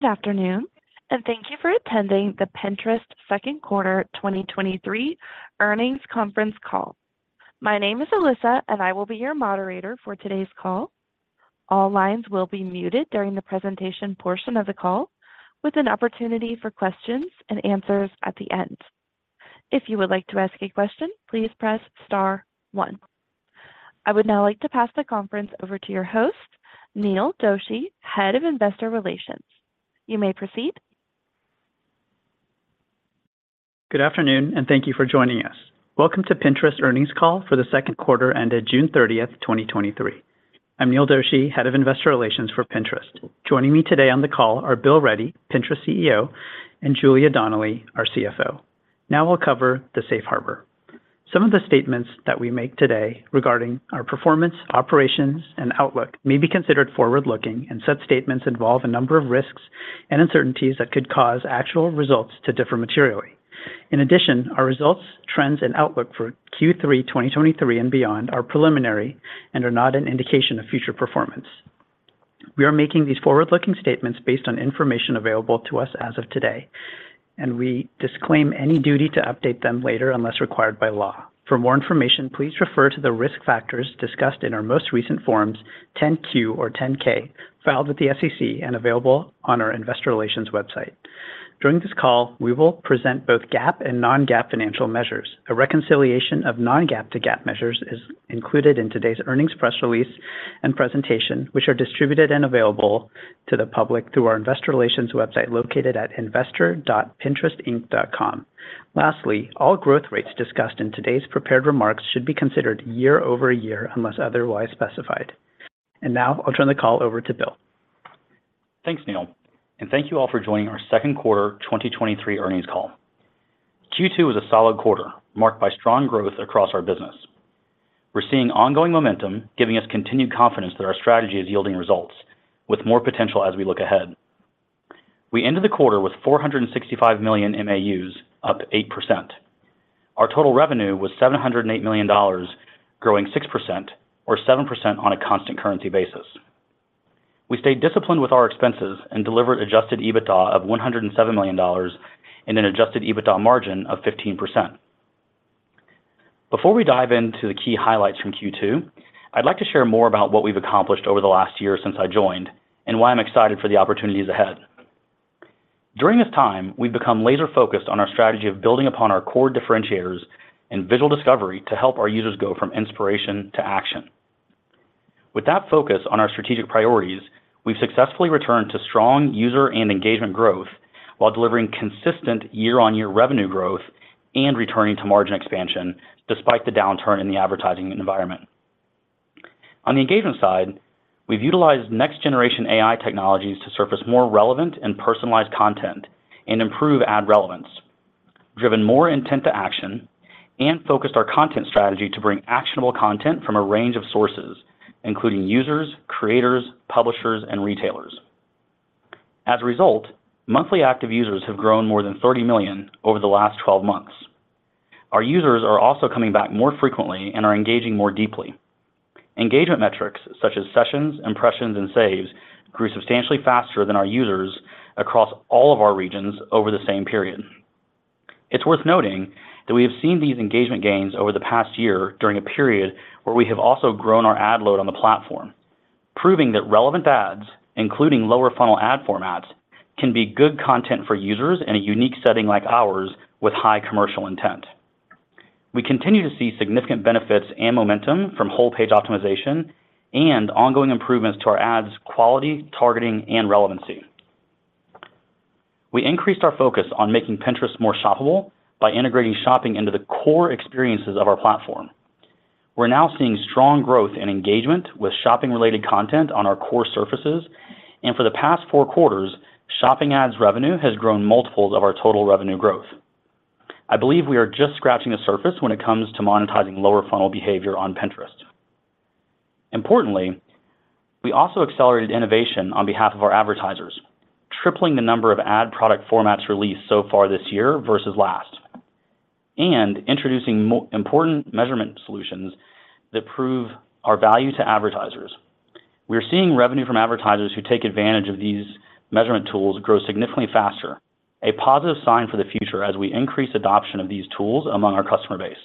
Good afternoon, and thank you for attending the Pinterest Second Quarter 2023 Earnings Conference Call. My name is Alyssa, and I will be your moderator for today's call. All lines will be muted during the presentation portion of the call, with an opportunity for questions and answers at the end. If you would like to ask a question, please press star one. I would now like to pass the conference over to your host, Neil Doshi, Head of Investor Relations. You may proceed. Good afternoon, thank you for joining us. Welcome to Pinterest Earnings Call for the Second Quarter ended June 30th, 2023. I'm Neil Doshi, Head of Investor Relations for Pinterest. Joining me today on the call are Bill Ready, Pinterest CEO, and Julia Donnelly, our CFO. Now we'll cover the Safe Harbor. Some of the statements that we make today regarding our performance, operations, and outlook may be considered forward-looking, and such statements involve a number of risks and uncertainties that could cause actual results to differ materially. In addition, our results, trends, and outlook for Q3 2023 and beyond are preliminary and are not an indication of future performance. We are making these forward-looking statements based on information available to us as of today, and we disclaim any duty to update them later unless required by law. For more information, please refer to the risk factors discussed in our most recent forms, 10-Q or 10-K, filed with the SEC and available on our investor relations website. During this call, we will present both GAAP and non-GAAP financial measures. A reconciliation of non-GAAP to GAAP measures is included in today's earnings press release and presentation, which are distributed and available to the public through our investor relations website located at investor.pinterestinc.com. Lastly, all growth rates discussed in today's prepared remarks should be considered year-over-year, unless otherwise specified. Now I'll turn the call over to Bill. Thanks, Neil. Thank you all for joining our second quarter 2023 earnings call. Q2 was a solid quarter, marked by strong growth across our business. We're seeing ongoing momentum, giving us continued confidence that our strategy is yielding results, with more potential as we look ahead. We ended the quarter with 465 million MAUs, up 8%. Our total revenue was $708 million, growing 6% or 7% on a constant currency basis. We stayed disciplined with our expenses and delivered Adjusted EBITDA of $107 million and an Adjusted EBITDA margin of 15%. Before we dive into the key highlights from Q2, I'd like to share more about what we've accomplished over the last year since I joined, and why I'm excited for the opportunities ahead. During this time, we've become laser-focused on our strategy of building upon our core differentiators and visual discovery to help our users go from inspiration to action. With that focus on our strategic priorities, we've successfully returned to strong user and engagement growth while delivering consistent year-over-year revenue growth and returning to margin expansion, despite the downturn in the advertising environment. On the engagement side, we've utilized next generation AI technologies to surface more relevant and personalized content and improve ad relevance, driven more intent to action, and focused our content strategy to bring actionable content from a range of sources, including users, creators, publishers, and retailers. As a result, monthly active users have grown more than 30 million over the last 12 months. Our users are also coming back more frequently and are engaging more deeply. Engagement metrics such as sessions, impressions, and saves, grew substantially faster than our users across all of our regions over the same period. It's worth noting that we have seen these engagement gains over the past year during a period where we have also grown our ad load on the platform, proving that relevant ads, including lower funnel ad formats, can be good content for users in a unique setting like ours with high commercial intent. We continue to see significant benefits and momentum from whole page optimization and ongoing improvements to our ads' quality, targeting, and relevancy. We increased our focus on making Pinterest more shoppable by integrating shopping into the core experiences of our platform. We're now seeing strong growth and engagement with shopping-related content on our core surfaces, and for the past four quarters, shopping ads revenue has grown multiples of our total revenue growth. I believe we are just scratching the surface when it comes to monetizing lower funnel behavior on Pinterest. Importantly, we also accelerated innovation on behalf of our advertisers, tripling the number of ad product formats released so far this year versus last, introducing important measurement solutions that prove our value to advertisers. We are seeing revenue from advertisers who take advantage of these measurement tools grow significantly faster, a positive sign for the future as we increase adoption of these tools among our customer base.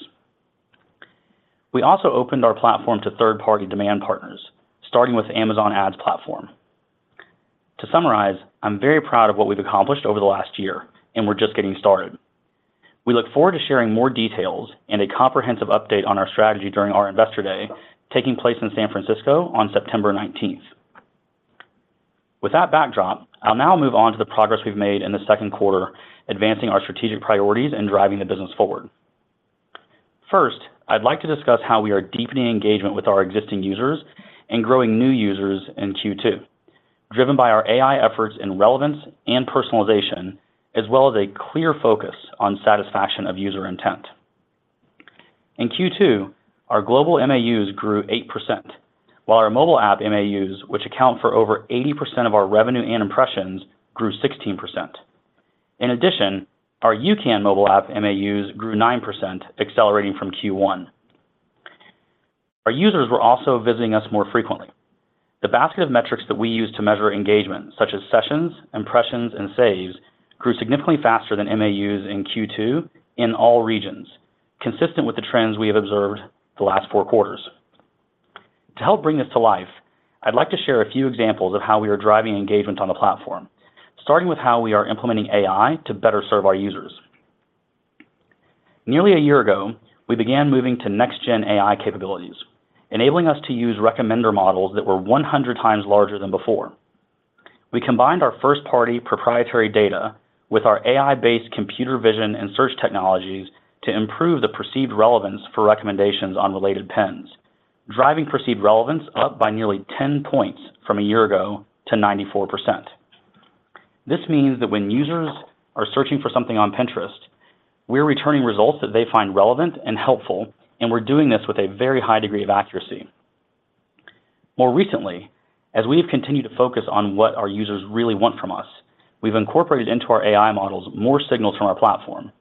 We also opened our platform to third-party demand partners, starting with Amazon Ads platform. To summarize, I'm very proud of what we've accomplished over the last year, and we're just getting started. We look forward to sharing more details and a comprehensive update on our strategy during our Investor Day, taking place in San Francisco on September nineteenth. With that backdrop, I'll now move on to the progress we've made in the second quarter, advancing our strategic priorities and driving the business forward. First, I'd like to discuss how we are deepening engagement with our existing users and growing new users in Q2, driven by our AI efforts in relevance and personalization, as well as a clear focus on satisfaction of user intent. In Q2, our global MAUs grew 8%, while our mobile app MAUs, which account for over 80% of our revenue and impressions, grew 16%. In addition, our YouCan mobile app MAUs grew 9%, accelerating from Q1. Our users were also visiting us more frequently. The basket of metrics that we use to measure engagement, such as sessions, impressions, and saves, grew significantly faster than MAUs in Q2 in all regions, consistent with the trends we have observed the last four quarters. To help bring this to life, I'd like to share a few examples of how we are driving engagement on the platform, starting with how we are implementing AI to better serve our users. Nearly a year ago, we began moving to next-gen AI capabilities, enabling us to use recommender models that were 100 times larger than before. We combined our first-party proprietary data with our AI-based computer vision and search technologies to improve the perceived relevance for recommendations on related pins, driving perceived relevance up by nearly 10 points from a year ago to 94%. This means that when users are searching for something on Pinterest, we're returning results that they find relevant and helpful, and we're doing this with a very high degree of accuracy. More recently, as we have continued to focus on what our users really want from us, we've incorporated into our AI models more signals from our platform.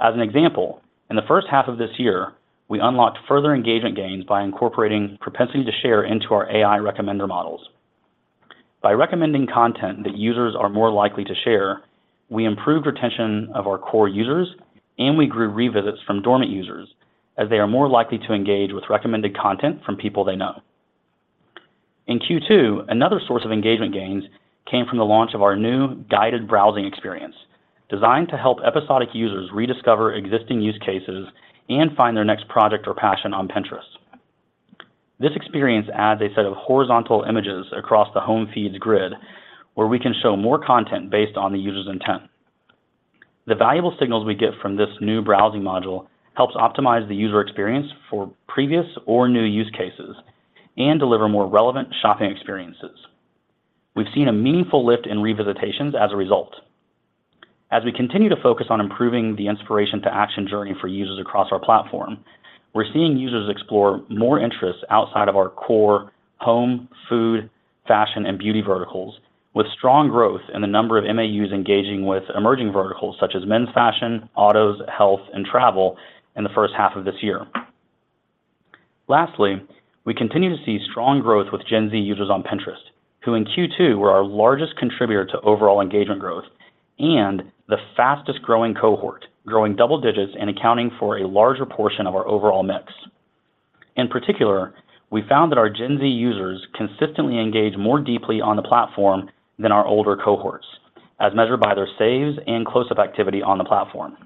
As an example, in the first half of this year, we unlocked further engagement gains by incorporating propensity to share into our AI recommender models. By recommending content that users are more likely to share, we improved retention of our core users and we grew revisits from dormant users, as they are more likely to engage with recommended content from people they know. In Q2, another source of engagement gains came from the launch of our new guided browsing experience, designed to help episodic users rediscover existing use cases and find their next project or passion on Pinterest. This experience adds a set of horizontal images across the home feeds grid, where we can show more content based on the user's intent. The valuable signals we get from this new browsing module helps optimize the user experience for previous or new use cases and deliver more relevant shopping experiences. We've seen a meaningful lift in revisitations as a result. As we continue to focus on improving the inspiration to action journey for users across our platform, we're seeing users explore more interests outside of our core home, food, fashion, and beauty verticals, with strong growth in the number of MAUs engaging with emerging verticals such as men's fashion, autos, health, and travel in the first half of this year. Lastly, we continue to see strong growth with Gen Z users on Pinterest, who in Q2 were our largest contributor to overall engagement growth and the fastest-growing cohort, growing double digits and accounting for a larger portion of our overall mix. In particular, we found that our Gen Z users consistently engage more deeply on the platform than our older cohorts, as measured by their saves and close-up activity on the platform.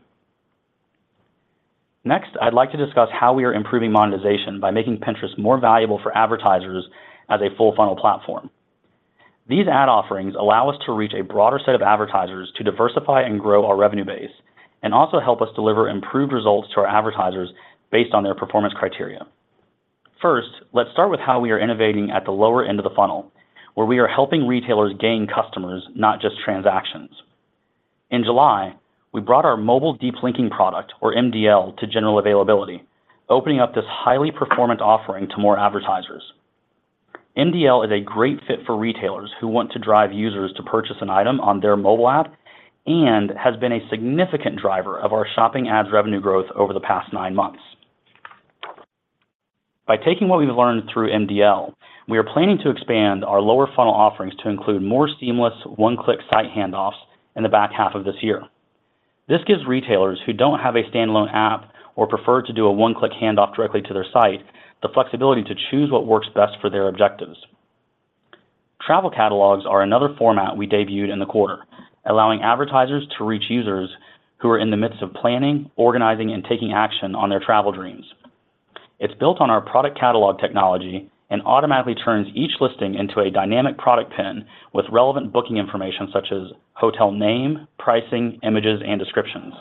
Next, I'd like to discuss how we are improving monetization by making Pinterest more valuable for advertisers as a full-funnel platform. These ad offerings allow us to reach a broader set of advertisers to diversify and grow our revenue base and also help us deliver improved results to our advertisers based on their performance criteria. First, let's start with how we are innovating at the lower end of the funnel, where we are helping retailers gain customers, not just transactions. In July, we brought our mobile deep linking product, or MDL, to general availability, opening up this highly performant offering to more advertisers. MDL is a great fit for retailers who want to drive users to purchase an item on their mobile app and has been a significant driver of our shopping ads revenue growth over the past nine months. By taking what we've learned through MDL, we are planning to expand our lower funnel offerings to include more seamless one-click site handoffs in the back half of this year. This gives retailers who don't have a standalone app or prefer to do a one-click handoff directly to their site, the flexibility to choose what works best for their objectives. Travel catalogs are another format we debuted in the quarter, allowing advertisers to reach users who are in the midst of planning, organizing, and taking action on their travel dreams. It's built on our product catalog technology and automatically turns each listing into a dynamic product Pin with relevant booking information such as hotel name, pricing, images, and descriptions.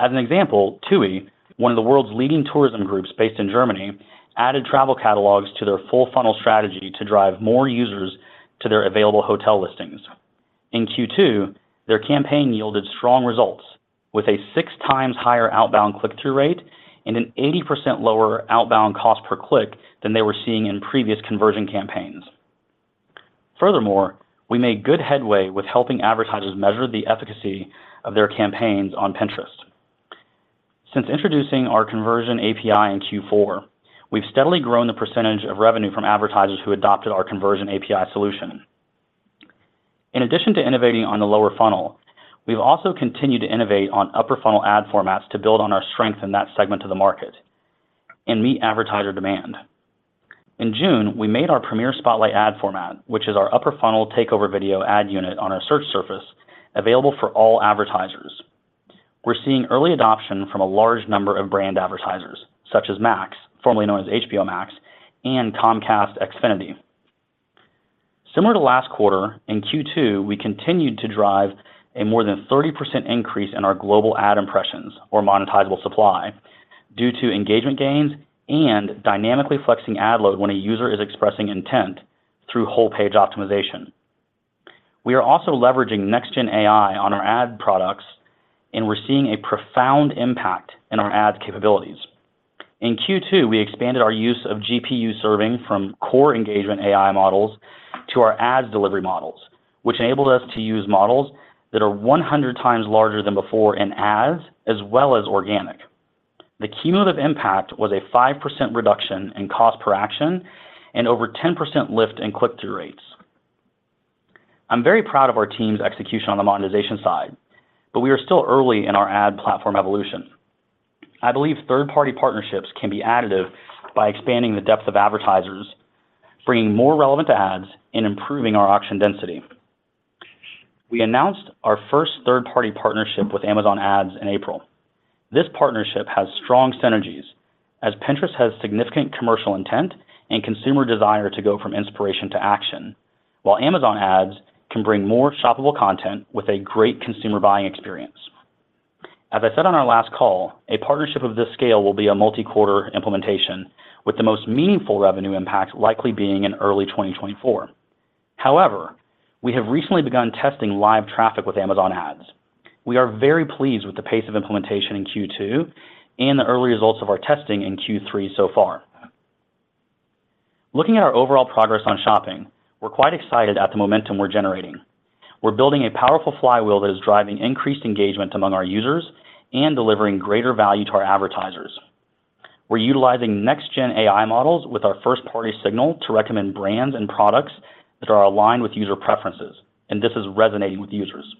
As an example, TUI, one of the world's leading tourism groups based in Germany, added travel catalogs to their full funnel strategy to drive more users to their available hotel listings. In Q2, their campaign yielded strong results, with a 6 times higher outbound click-through rate and an 80% lower outbound cost per click than they were seeing in previous conversion campaigns. Furthermore, we made good headway with helping advertisers measure the efficacy of their campaigns on Pinterest. Since introducing our conversion API in Q4, we've steadily grown the percentage of revenue from advertisers who adopted our conversion API solution. In addition to innovating on the lower funnel, we've also continued to innovate on upper funnel ad formats to build on our strength in that segment to the market and meet advertiser demand. In June, we made our Premiere Spotlight ad format, which is our upper funnel takeover video ad unit on our search surface, available for all advertisers. We're seeing early adoption from a large number of brand advertisers, such as Max, formerly known as HBO Max, and Comcast Xfinity. Similar to last quarter, in Q2, we continued to drive a more than 30% increase in our global ad impressions or monetizable supply due to engagement gains and dynamically flexing ad load when a user is expressing intent through whole page optimization. We are also leveraging next gen AI on our ad products. We're seeing a profound impact in our ad capabilities. In Q2, we expanded our use of GPU serving from core engagement AI models to our ads delivery models, which enabled us to use models that are 100 times larger than before in ads, as well as organic. The cumulative impact was a 5% reduction in cost per action and over 10% lift in click-through rates. I'm very proud of our team's execution on the monetization side, but we are still early in our ad platform evolution. I believe third-party partnerships can be additive by expanding the depth of advertisers, bringing more relevant ads, and improving our auction density. We announced our first third-party partnership with Amazon Ads in April. This partnership has strong synergies, as Pinterest has significant commercial intent and consumer desire to go from inspiration to action, while Amazon Ads can bring more shoppable content with a great consumer buying experience. As I said on our last call, a partnership of this scale will be a multi-quarter implementation, with the most meaningful revenue impact likely being in early 2024. However, we have recently begun testing live traffic with Amazon Ads. We are very pleased with the pace of implementation in Q2 and the early results of our testing in Q3 so far. Looking at our overall progress on shopping, we're quite excited at the momentum we're generating. We're building a powerful flywheel that is driving increased engagement among our users and delivering greater value to our advertisers. We're utilizing next-gen AI models with our first-party signal to recommend brands and products that are aligned with user preferences, this is resonating with users.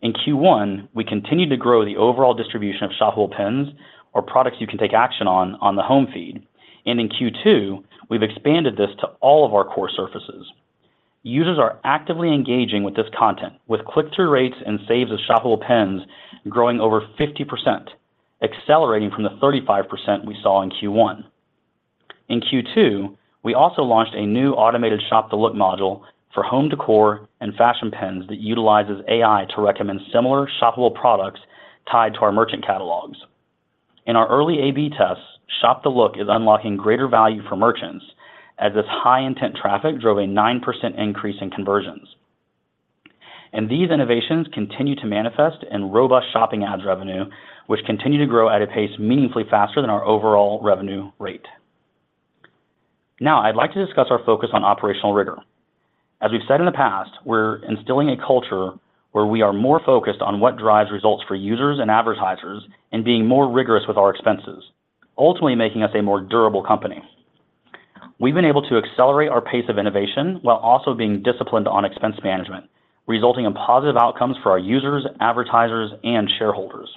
In Q1, we continued to grow the overall distribution of shoppable pins or products you can take action on, on the home feed, and in Q2, we've expanded this to all of our core surfaces. Users are actively engaging with this content, with click-through rates and saves of shoppable pins growing over 50%, accelerating from the 35% we saw in Q1. In Q2, we also launched a new automated Shop the Look module for home decor and fashion pins that utilizes AI to recommend similar shoppable products tied to our merchant catalogs. In our early AB tests, Shop the Look is unlocking greater value for merchants, as this high-intent traffic drove a 9% increase in conversions. These innovations continue to manifest in robust shopping ads revenue, which continue to grow at a pace meaningfully faster than our overall revenue rate. Now, I'd like to discuss our focus on operational rigor. As we've said in the past, we're instilling a culture where we are more focused on what drives results for users and advertisers and being more rigorous with our expenses, ultimately making us a more durable company. We've been able to accelerate our pace of innovation while also being disciplined on expense management, resulting in positive outcomes for our users, advertisers, and shareholders.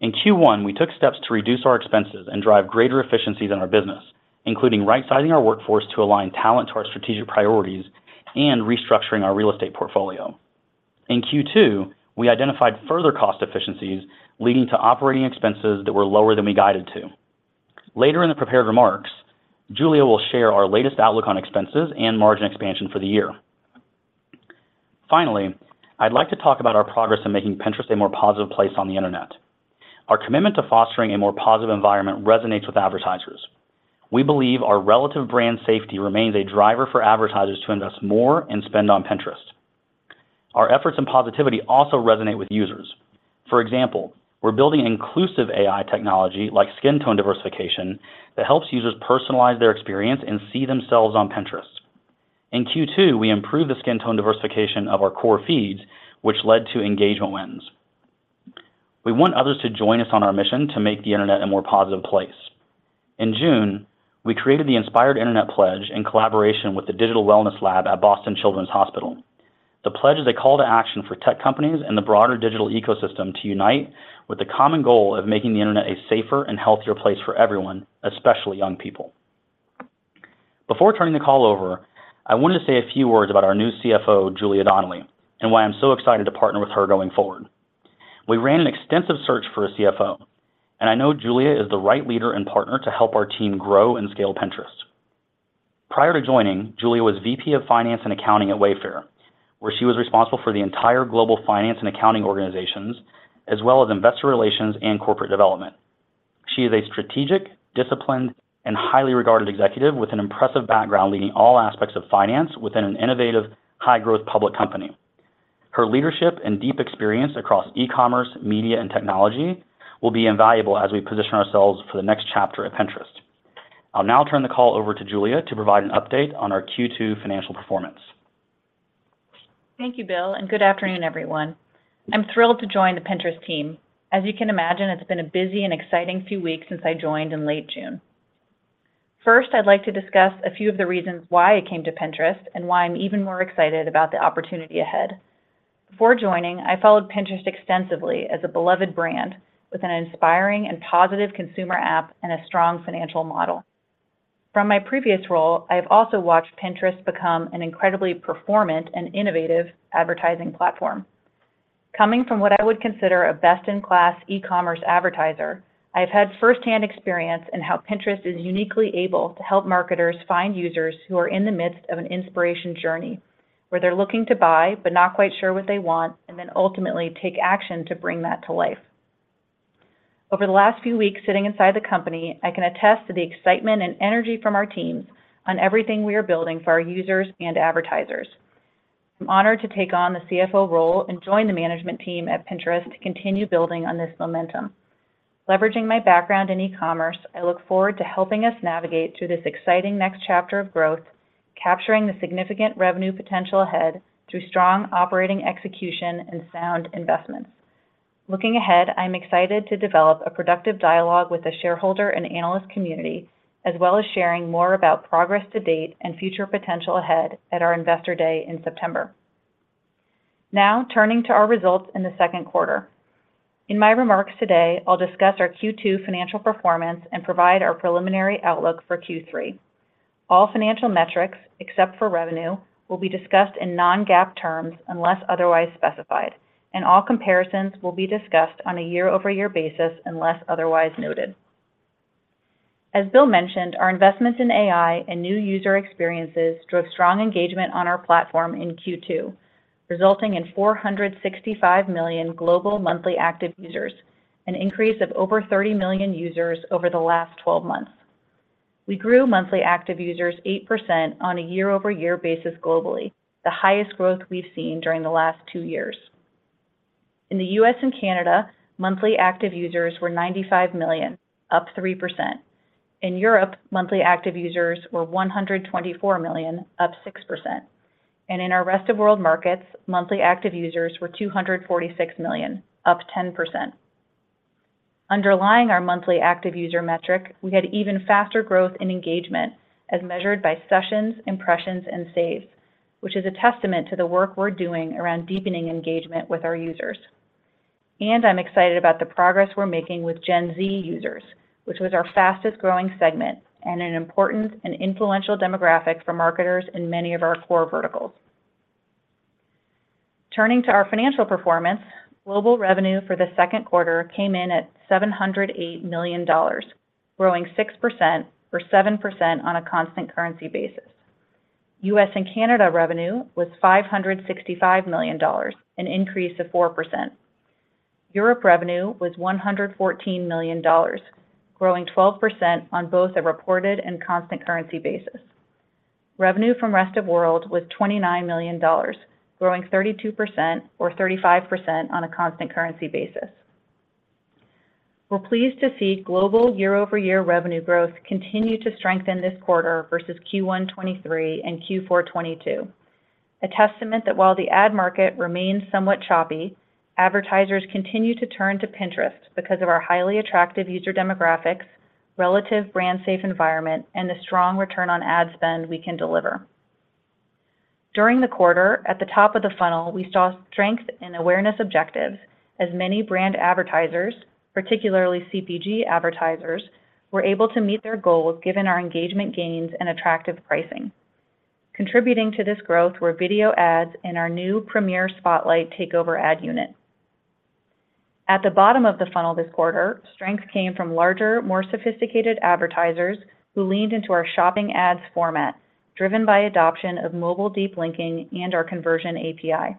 In Q1, we took steps to reduce our expenses and drive greater efficiencies in our business, including right-sizing our workforce to align talent to our strategic priorities and restructuring our real estate portfolio. In Q2, we identified further cost efficiencies, leading to operating expenses that were lower than we guided to. Later in the prepared remarks, Julia will share our latest outlook on expenses and margin expansion for the year. Finally, I'd like to talk about our progress in making Pinterest a more positive place on the internet. Our commitment to fostering a more positive environment resonates with advertisers. We believe our relative brand safety remains a driver for advertisers to invest more and spend on Pinterest. Our efforts and positivity also resonate with users. For example, we're building an inclusive AI technology, like skin tone diversification, that helps users personalize their experience and see themselves on Pinterest. In Q2, we improved the skin tone diversification of our core feeds, which led to engagement wins. We want others to join us on our mission to make the internet a more positive place. In June, we created the Inspired Internet Pledge in collaboration with the Digital Wellness Lab at Boston Children's Hospital. The pledge is a call to action for tech companies and the broader digital ecosystem to unite with the common goal of making the internet a safer and healthier place for everyone, especially young people. Before turning the call over, I wanted to say a few words about our new CFO, Julia Donnelly, and why I'm so excited to partner with her going forward. We ran an extensive search for a CFO, and I know Julia is the right leader and partner to help our team grow and scale Pinterest. Prior to joining, Julia was VP of Finance and Accounting at Wayfair, where she was responsible for the entire global finance and accounting organizations, as well as investor relations and corporate development. She is a strategic, disciplined, and highly regarded executive with an impressive background leading all aspects of finance within an innovative, high-growth public company. Her leadership and deep experience across e-commerce, media, and technology will be invaluable as we position ourselves for the next chapter at Pinterest. I'll now turn the call over to Julia to provide an update on our Q2 financial performance. Thank you, Bill, and good afternoon, everyone. I'm thrilled to join the Pinterest team. As you can imagine, it's been a busy and exciting few weeks since I joined in late June. First, I'd like to discuss a few of the reasons why I came to Pinterest and why I'm even more excited about the opportunity ahead. Before joining, I followed Pinterest extensively as a beloved brand with an inspiring and positive consumer app and a strong financial model. From my previous role, I have also watched Pinterest become an incredibly performant and innovative advertising platform. Coming from what I would consider a best-in-class e-commerce advertiser, I've had firsthand experience in how Pinterest is uniquely able to help marketers find users who are in the midst of an inspiration journey, where they're looking to buy, but not quite sure what they want, and then ultimately take action to bring that to life. Over the last few weeks sitting inside the company, I can attest to the excitement and energy from our teams on everything we are building for our users and advertisers.... I'm honored to take on the CFO role and join the management team at Pinterest to continue building on this momentum. Leveraging my background in e-commerce, I look forward to helping us navigate through this exciting next chapter of growth, capturing the significant revenue potential ahead through strong operating execution and sound investments. Looking ahead, I'm excited to develop a productive dialogue with the shareholder and analyst community, as well as sharing more about progress to date and future potential ahead at our Investor Day in September. Turning to our results in the second quarter. In my remarks today, I'll discuss our Q2 financial performance and provide our preliminary outlook for Q3. All financial metrics, except for revenue, will be discussed in non-GAAP terms unless otherwise specified, and all comparisons will be discussed on a year-over-year basis unless otherwise noted. As Bill mentioned, our investments in AI and new user experiences drove strong engagement on our platform in Q2, resulting in 465 million global monthly active users, an increase of over 30 million users over the last 12 months. We grew monthly active users 8% on a year-over-year basis globally, the highest growth we've seen during the last two years. In the US and Canada, monthly active users were 95 million, up 3%. In Europe, monthly active users were 124 million, up 6%. In our rest of world markets, monthly active users were 246 million, up 10%. Underlying our monthly active user metric, we had even faster growth in engagement as measured by sessions, impressions, and saves, which is a testament to the work we're doing around deepening engagement with our users. I'm excited about the progress we're making with Gen Z users, which was our fastest-growing segment and an important and influential demographic for marketers in many of our core verticals. Turning to our financial performance, global revenue for the second quarter came in at $708 million, growing 6% or 7% on a constant currency basis. US and Canada revenue was $565 million, an increase of 4%. Europe revenue was $114 million, growing 12% on both a reported and constant currency basis. Revenue from rest of world was $29 million, growing 32% or 35% on a constant currency basis. We're pleased to see global year-over-year revenue growth continue to strengthen this quarter versus Q1 2023 and Q4 2022, a testament that while the ad market remains somewhat choppy, advertisers continue to turn to Pinterest because of our highly attractive user demographics, relative brand-safe environment, and the strong return on ad spend we can deliver. During the quarter, at the top of the funnel, we saw strength in awareness objectives, as many brand advertisers, particularly CPG advertisers, were able to meet their goals given our engagement gains and attractive pricing. Contributing to this growth were video ads and our new Premiere Spotlight takeover ad unit. At the bottom of the funnel this quarter, strength came from larger, more sophisticated advertisers who leaned into our shopping ads format, driven by adoption of mobile deep linking and our conversion API.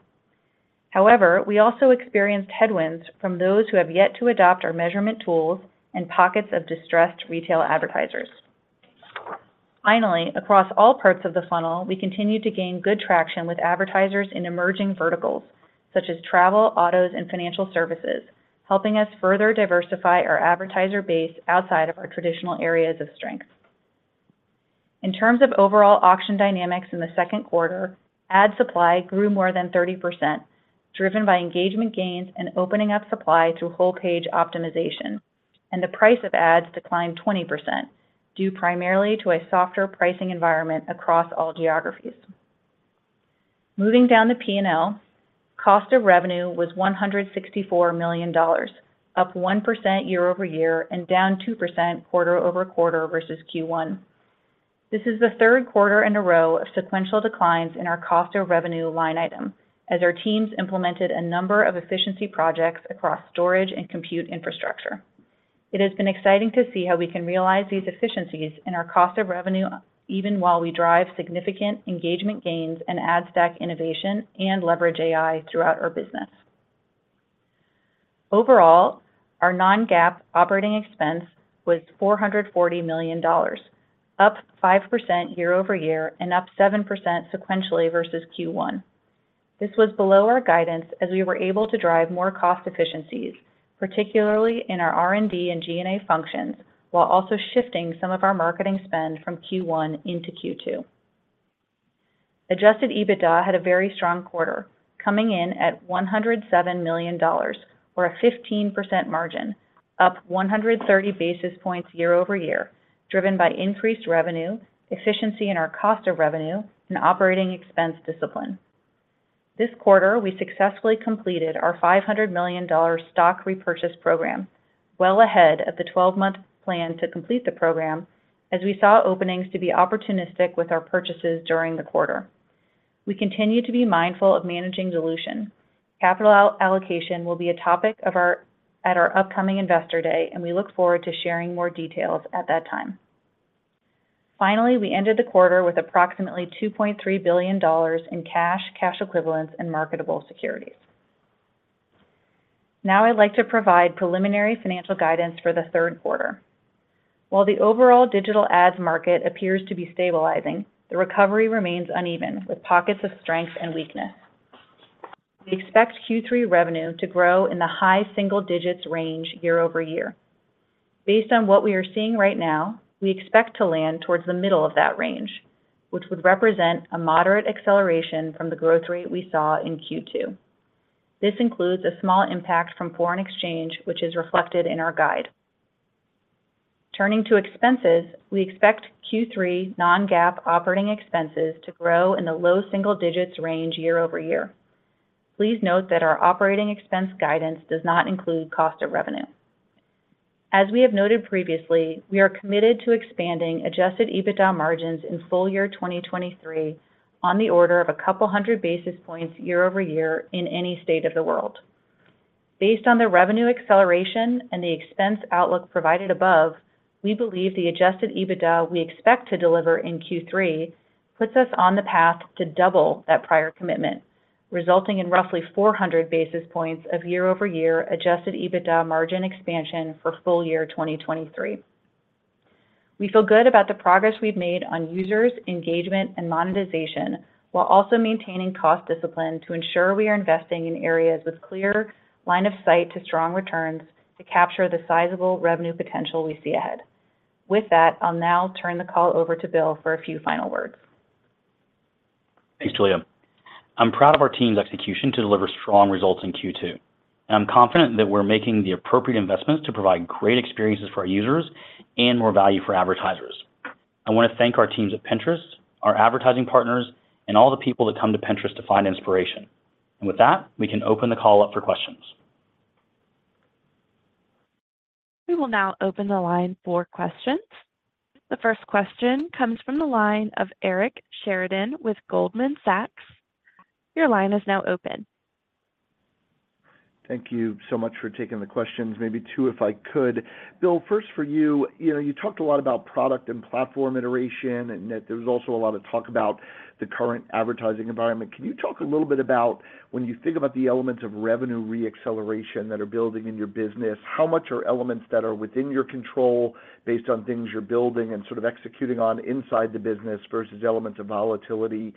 We also experienced headwinds from those who have yet to adopt our measurement tools and pockets of distressed retail advertisers. Finally, across all parts of the funnel, we continued to gain good traction with advertisers in emerging verticals such as travel, autos, and financial services, helping us further diversify our advertiser base outside of our traditional areas of strength. In terms of overall auction dynamics in the second quarter, ad supply grew more than 30%, driven by engagement gains and opening up supply through whole page optimization, and the price of ads declined 20%, due primarily to a softer pricing environment across all geographies. Moving down to P&L, cost of revenue was $164 million, up 1% year-over-year and down 2% quarter-over-quarter versus Q1. This is the third quarter in a row of sequential declines in our cost of revenue line item, as our teams implemented a number of efficiency projects across storage and compute infrastructure. It has been exciting to see how we can realize these efficiencies in our cost of revenue, even while we drive significant engagement gains and ad stack innovation and leverage AI throughout our business. Overall, our non-GAAP operating expense was $440 million, up 5% year-over-year and up 7% sequentially versus Q1. This was below our guidance as we were able to drive more cost efficiencies, particularly in our R&D and G&A functions, while also shifting some of our marketing spend from Q1 into Q2. Adjusted EBITDA had a very strong quarter, coming in at $107 million or a 15% margin, up 130 basis points year-over-year, driven by increased revenue, efficiency in our cost of revenue, and operating expense discipline. This quarter, we successfully completed our $500 million stock repurchase program well ahead of the 12-month plan to complete the program, as we saw openings to be opportunistic with our purchases during the quarter. We continue to be mindful of managing dilution. Capital allocation will be a topic of our at our upcoming Investor Day, and we look forward to sharing more details at that time. Finally, we ended the quarter with approximately $2.3 billion in cash, cash equivalents, and marketable securities. Now I'd like to provide preliminary financial guidance for the third quarter. While the overall digital ads market appears to be stabilizing, the recovery remains uneven, with pockets of strength and weakness. We expect Q3 revenue to grow in the high single-digits range year-over-year. Based on what we are seeing right now, we expect to land towards the middle of that range, which would represent a moderate acceleration from the growth rate we saw in Q2. This includes a small impact from foreign exchange, which is reflected in our guide. Turning to expenses, we expect Q3 non-GAAP operating expenses to grow in the low single digits range year-over-year. Please note that our operating expense guidance does not include cost of revenue. As we have noted previously, we are committed to expanding Adjusted EBITDA margins in full year 2023 on the order of 200 basis points year-over-year in any state of the world. Based on the revenue acceleration and the expense outlook provided above, we believe the Adjusted EBITDA we expect to deliver in Q3 puts us on the path to double that prior commitment, resulting in roughly 400 basis points of year-over-year Adjusted EBITDA margin expansion for full year 2023. We feel good about the progress we've made on users, engagement, and monetization, while also maintaining cost discipline to ensure we are investing in areas with clear line of sight to strong returns to capture the sizable revenue potential we see ahead. With that, I'll now turn the call over to Bill for a few final words. Thanks, Julia. I'm proud of our team's execution to deliver strong results in Q2, and I'm confident that we're making the appropriate investments to provide great experiences for our users and more value for advertisers. I want to thank our teams at Pinterest, our advertising partners, and all the people that come to Pinterest to find inspiration. With that, we can open the call up for questions. We will now open the line for questions. The first question comes from the line of Eric Sheridan with Goldman Sachs. Your line is now open. Thank you so much for taking the questions. Maybe two, if I could. Bill, first for you, you know, you talked a lot about product and platform iteration and that there was also a lot of talk about the current advertising environment. Can you talk a little bit about when you think about the elements of revenue re-acceleration that are building in your business, how much are elements that are within your control based on things you're building and sort of executing on inside the business versus elements of volatility,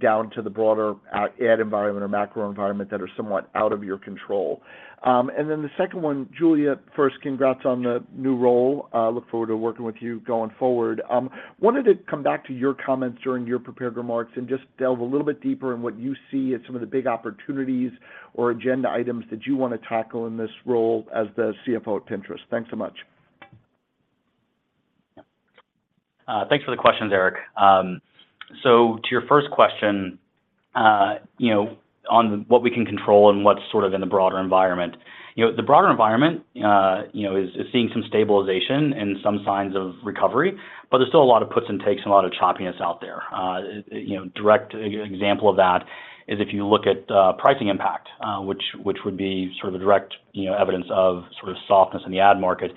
down to the broader out- ad environment or macro environment that are somewhat out of your control? The second one, Julia, first, congrats on the new role. Look forward to working with you going forward. Wanted to come back to your comments during your prepared remarks and just delve a little bit deeper in what you see as some of the big opportunities or agenda items that you want to tackle in this role as the CFO at Pinterest. Thanks so much. Thanks for the questions, Eric. To your first question, you know, on what we can control and what's sort of in the broader environment. You know, the broader environment, you know, is seeing some stabilization and some signs of recovery, but there's still a lot of puts and takes and a lot of choppiness out there. You know, direct example of that is if you look at pricing impact, which would be sort of the direct, you know, evidence of sort of softness in the ad market,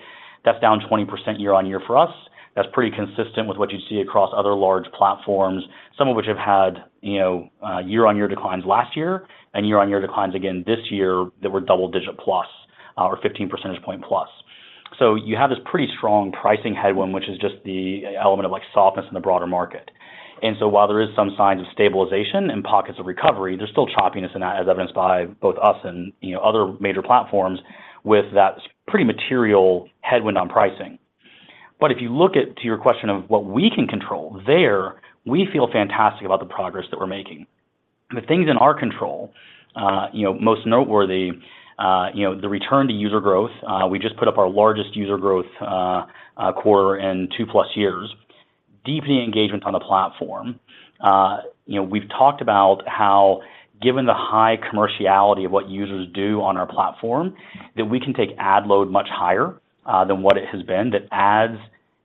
that's down 20% year-on-year for us. That's pretty consistent with what you'd see across other large platforms, some of which have had, you know, year-on-year declines last year and year-on-year declines again this year, that were double-digit plus or 15 percentage point plus. You have this pretty strong pricing headwind, which is just the element of, like, softness in the broader market. While there is some signs of stabilization and pockets of recovery, there's still choppiness in that, as evidenced by both us and, you know, other major platforms with that pretty material headwind on pricing. If you look at, to your question of what we can control, there, we feel fantastic about the progress that we're making. The things in our control, you know, most noteworthy, you know, the return to user growth. We just put up our largest user growth quarter in two plus years, deeply engagement on the platform. You know, we've talked about how given the high commerciality of what users do on our platform, that we can take ad load much higher than what it has been. Ads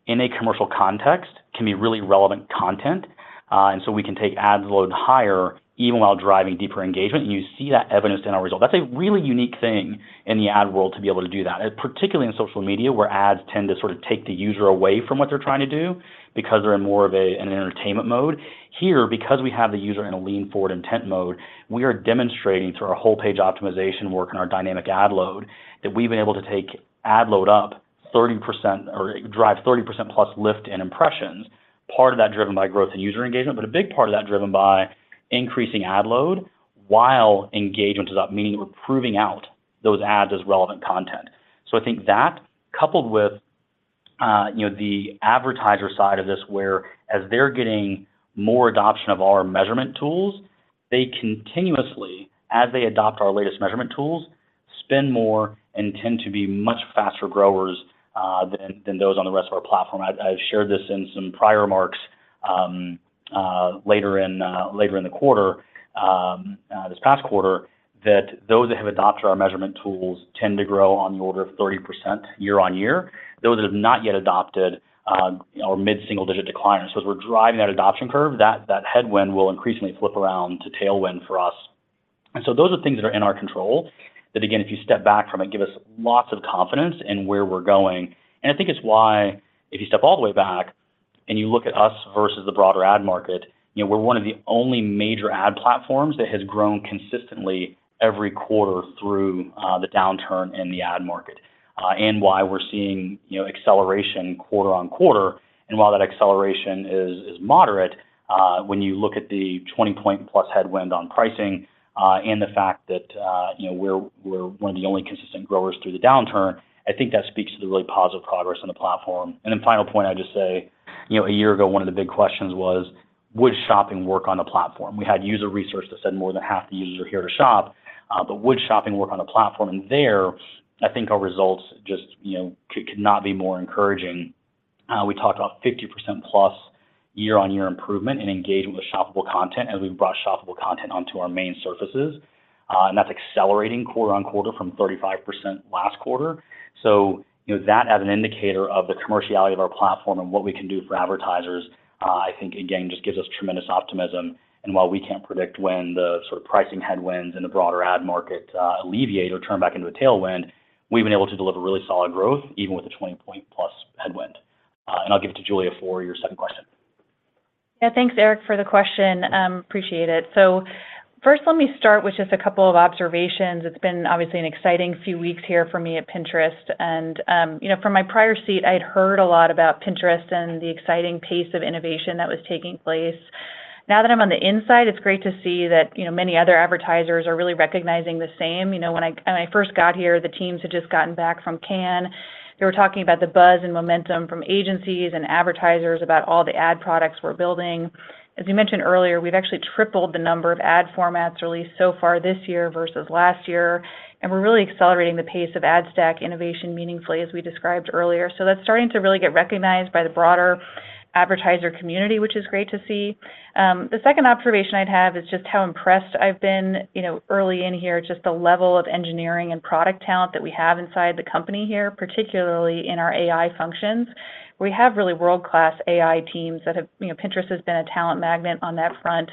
in a commercial context can be really relevant content, so we can take ads load higher even while driving deeper engagement, and you see that evidenced in our results. That's a really unique thing in the ad world to be able to do that, and particularly in social media, where ads tend to sort of take the user away from what they're trying to do because they're in more of a, an entertainment mode. Here, because we have the user in a lean-forward intent mode, we are demonstrating through our whole page optimization work and our dynamic ad load, that we've been able to take ad load up 30% or drive 30%+ lift in impressions, part of that driven by growth in user engagement, but a big part of that driven by increasing ad load while engagement is up, meaning we're proving out those ads as relevant content. I think that, coupled with, you know, the advertiser side of this, where as they're getting more adoption of our measurement tools, they continuously, as they adopt our latest measurement tools, spend more and tend to be much faster growers, than, than those on the rest of our platform. I, I've shared this in some prior marks, later in, later in the quarter, this past quarter, that those that have adopted our measurement tools tend to grow on the order of 30% year on year. Those that have not yet adopted, are mid-single-digit decline. As we're driving that adoption curve, that, that headwind will increasingly flip around to tailwind for us. Those are things that are in our control that, again, if you step back from it, give us lots of confidence in where we're going. I think it's why, if you step all the way back... You look at us versus the broader ad market, you know, we're one of the only major ad platforms that has grown consistently every quarter through the downturn in the ad market, and why we're seeing, you know, acceleration quarter-on-quarter. While that acceleration is, is moderate, when you look at the 20-point-plus headwind on pricing, and the fact that, you know, we're, we're one of the only consistent growers through the downturn, I think that speaks to the really positive progress on the platform. Then final point, I'd just say, you know, a year ago, one of the big questions was: Would shopping work on the platform? We had user research that said more than half the users are here to shop, but would shopping work on the platform? There, I think our results just, you know, could, could not be more encouraging. We talked about 50%-plus year-on-year improvement in engagement with shoppable content as we've brought shoppable content onto our main surfaces. That's accelerating quarter on quarter from 35% last quarter. You know, that as an indicator of the commerciality of our platform and what we can do for advertisers, I think again, just gives us tremendous optimism. While we can't predict when the sort of pricing headwinds in the broader ad market, alleviate or turn back into a tailwind, we've been able to deliver really solid growth, even with a 20-point-plus headwind. I'll give it to Julia for your second question. Yeah. Thanks, Eric, for the question. appreciate it. First, let me start with just a couple of observations. It's been obviously an exciting few weeks here for me at Pinterest, and, you know, from my prior seat, I'd heard a lot about Pinterest and the exciting pace of innovation that was taking place. Now that I'm on the inside, it's great to see that, you know, many other advertisers are really recognizing the same. You know, when I first got here, the teams had just gotten back from Cannes. They were talking about the buzz and momentum from agencies and advertisers about all the ad products we're building. As you mentioned earlier, we've actually tripled the number of ad formats released so far this year versus last year, we're really accelerating the pace of ad stack innovation meaningfully, as we described earlier. That's starting to really get recognized by the broader advertiser community, which is great to see. The second observation I'd have is just how impressed I've been, you know, early in here, just the level of engineering and product talent that we have inside the company here, particularly in our AI functions. We have really world-class AI teams that have... You know, Pinterest has been a talent magnet on that front.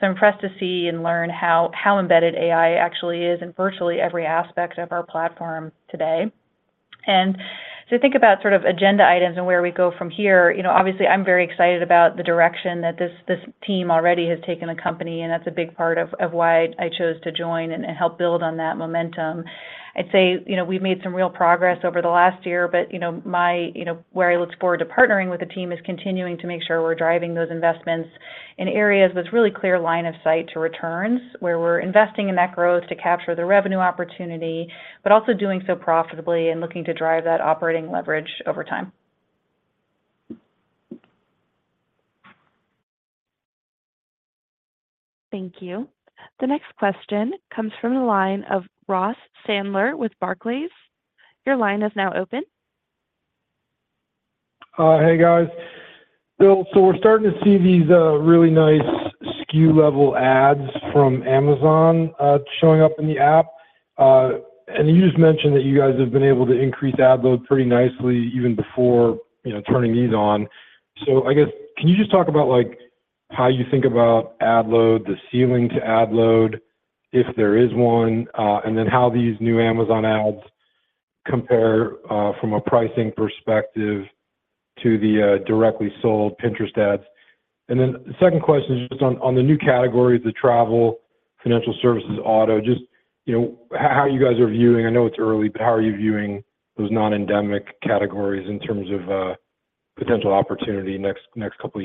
I'm impressed to see and learn how, how embedded AI actually is in virtually every aspect of our platform today. Think about sort of agenda items and where we go from here. You know, obviously, I'm very excited about the direction that this, this team already has taken the company, and that's a big part of, of why I chose to join and, and help build on that momentum. I'd say, you know, we've made some real progress over the last year, but, you know, you know, where I look forward to partnering with the team is continuing to make sure we're driving those investments in areas with really clear line of sight to returns, where we're investing in that growth to capture the revenue opportunity, but also doing so profitably and looking to drive that operating leverage over time. Thank you. The next question comes from the line of Ross Sandler with Barclays. Your line is now open. Hey, guys. Bill, we're starting to see these really nice SKU-level ads from Amazon showing up in the app. And you just mentioned that you guys have been able to increase ad load pretty nicely even before, you know, turning these on. I guess, can you just talk about, like, how you think about ad load, the ceiling to ad load, if there is one, and then how these new Amazon ads compare from a pricing perspective to the directly sold Pinterest ads? Then the second question is just on, on the new categories, the travel, financial services, auto, just, you know, how you guys are viewing, I know it's early, but how are you viewing those non-endemic categories in terms of potential opportunity next, next couple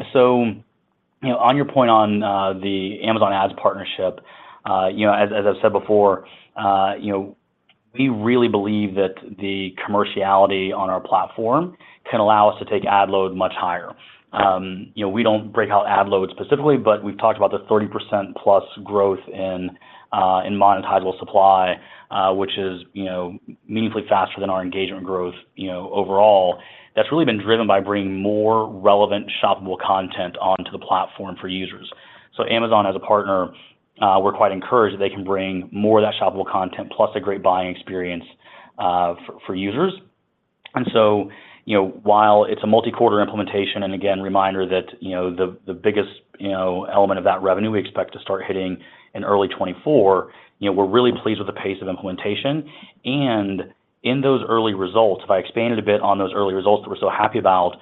of years? Thanks a lot. Thanks, Ross. You know, on your point on the Amazon Ads partnership, you know, as, as I've said before, you know, we really believe that the commerciality on our platform can allow us to take ad load much higher. You know, we don't break out ad load specifically, but we've talked about the 30%-plus growth in monetizable supply, which is, you know, meaningfully faster than our engagement growth, you know, overall. That's really been driven by bringing more relevant, shoppable content onto the platform for users. Amazon, as a partner, we're quite encouraged that they can bring more of that shoppable content plus a great buying experience, for, for users. You know, while it's a multi-quarter implementation, and again, reminder that, you know, the, the biggest, you know, element of that revenue, we expect to start hitting in early 2024, you know, we're really pleased with the pace of implementation. In those early results, if I expanded a bit on those early results that we're so happy about,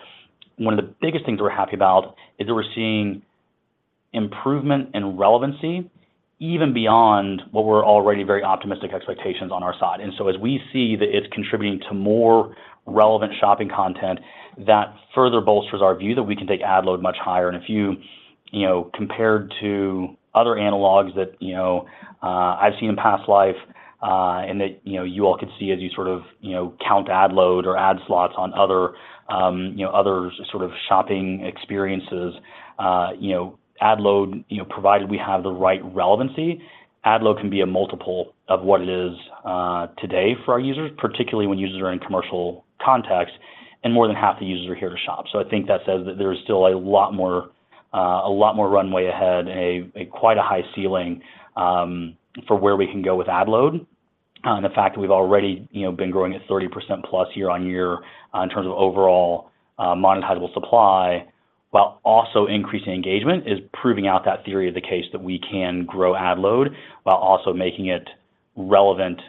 one of the biggest things we're happy about is that we're seeing improvement in relevancy, even beyond what were already very optimistic expectations on our side. As we see that it's contributing to more relevant shopping content, that further bolsters our view that we can take ad load much higher. If you, you know, compared to other analogs that, you know, I've seen in past life, and that, you know, you all could see as you sort of, you know, count ad load or ad slots on other, you know, other sort of shopping experiences, you know, ad load, you know, provided we have the right relevancy, ad load can be a multiple of what it is, today for our users, particularly when users are in commercial context, and more than half the users are here to shop. I think that says that there is still a lot more, a lot more runway ahead, a, a quite a high ceiling, for where we can go with ad load. The fact that we've already, you know, been growing at 30%+ year-on-year, in terms of overall, monetizable supply, while also increasing engagement, is proving out that theory of the case that we can grow ad load while also making it relevant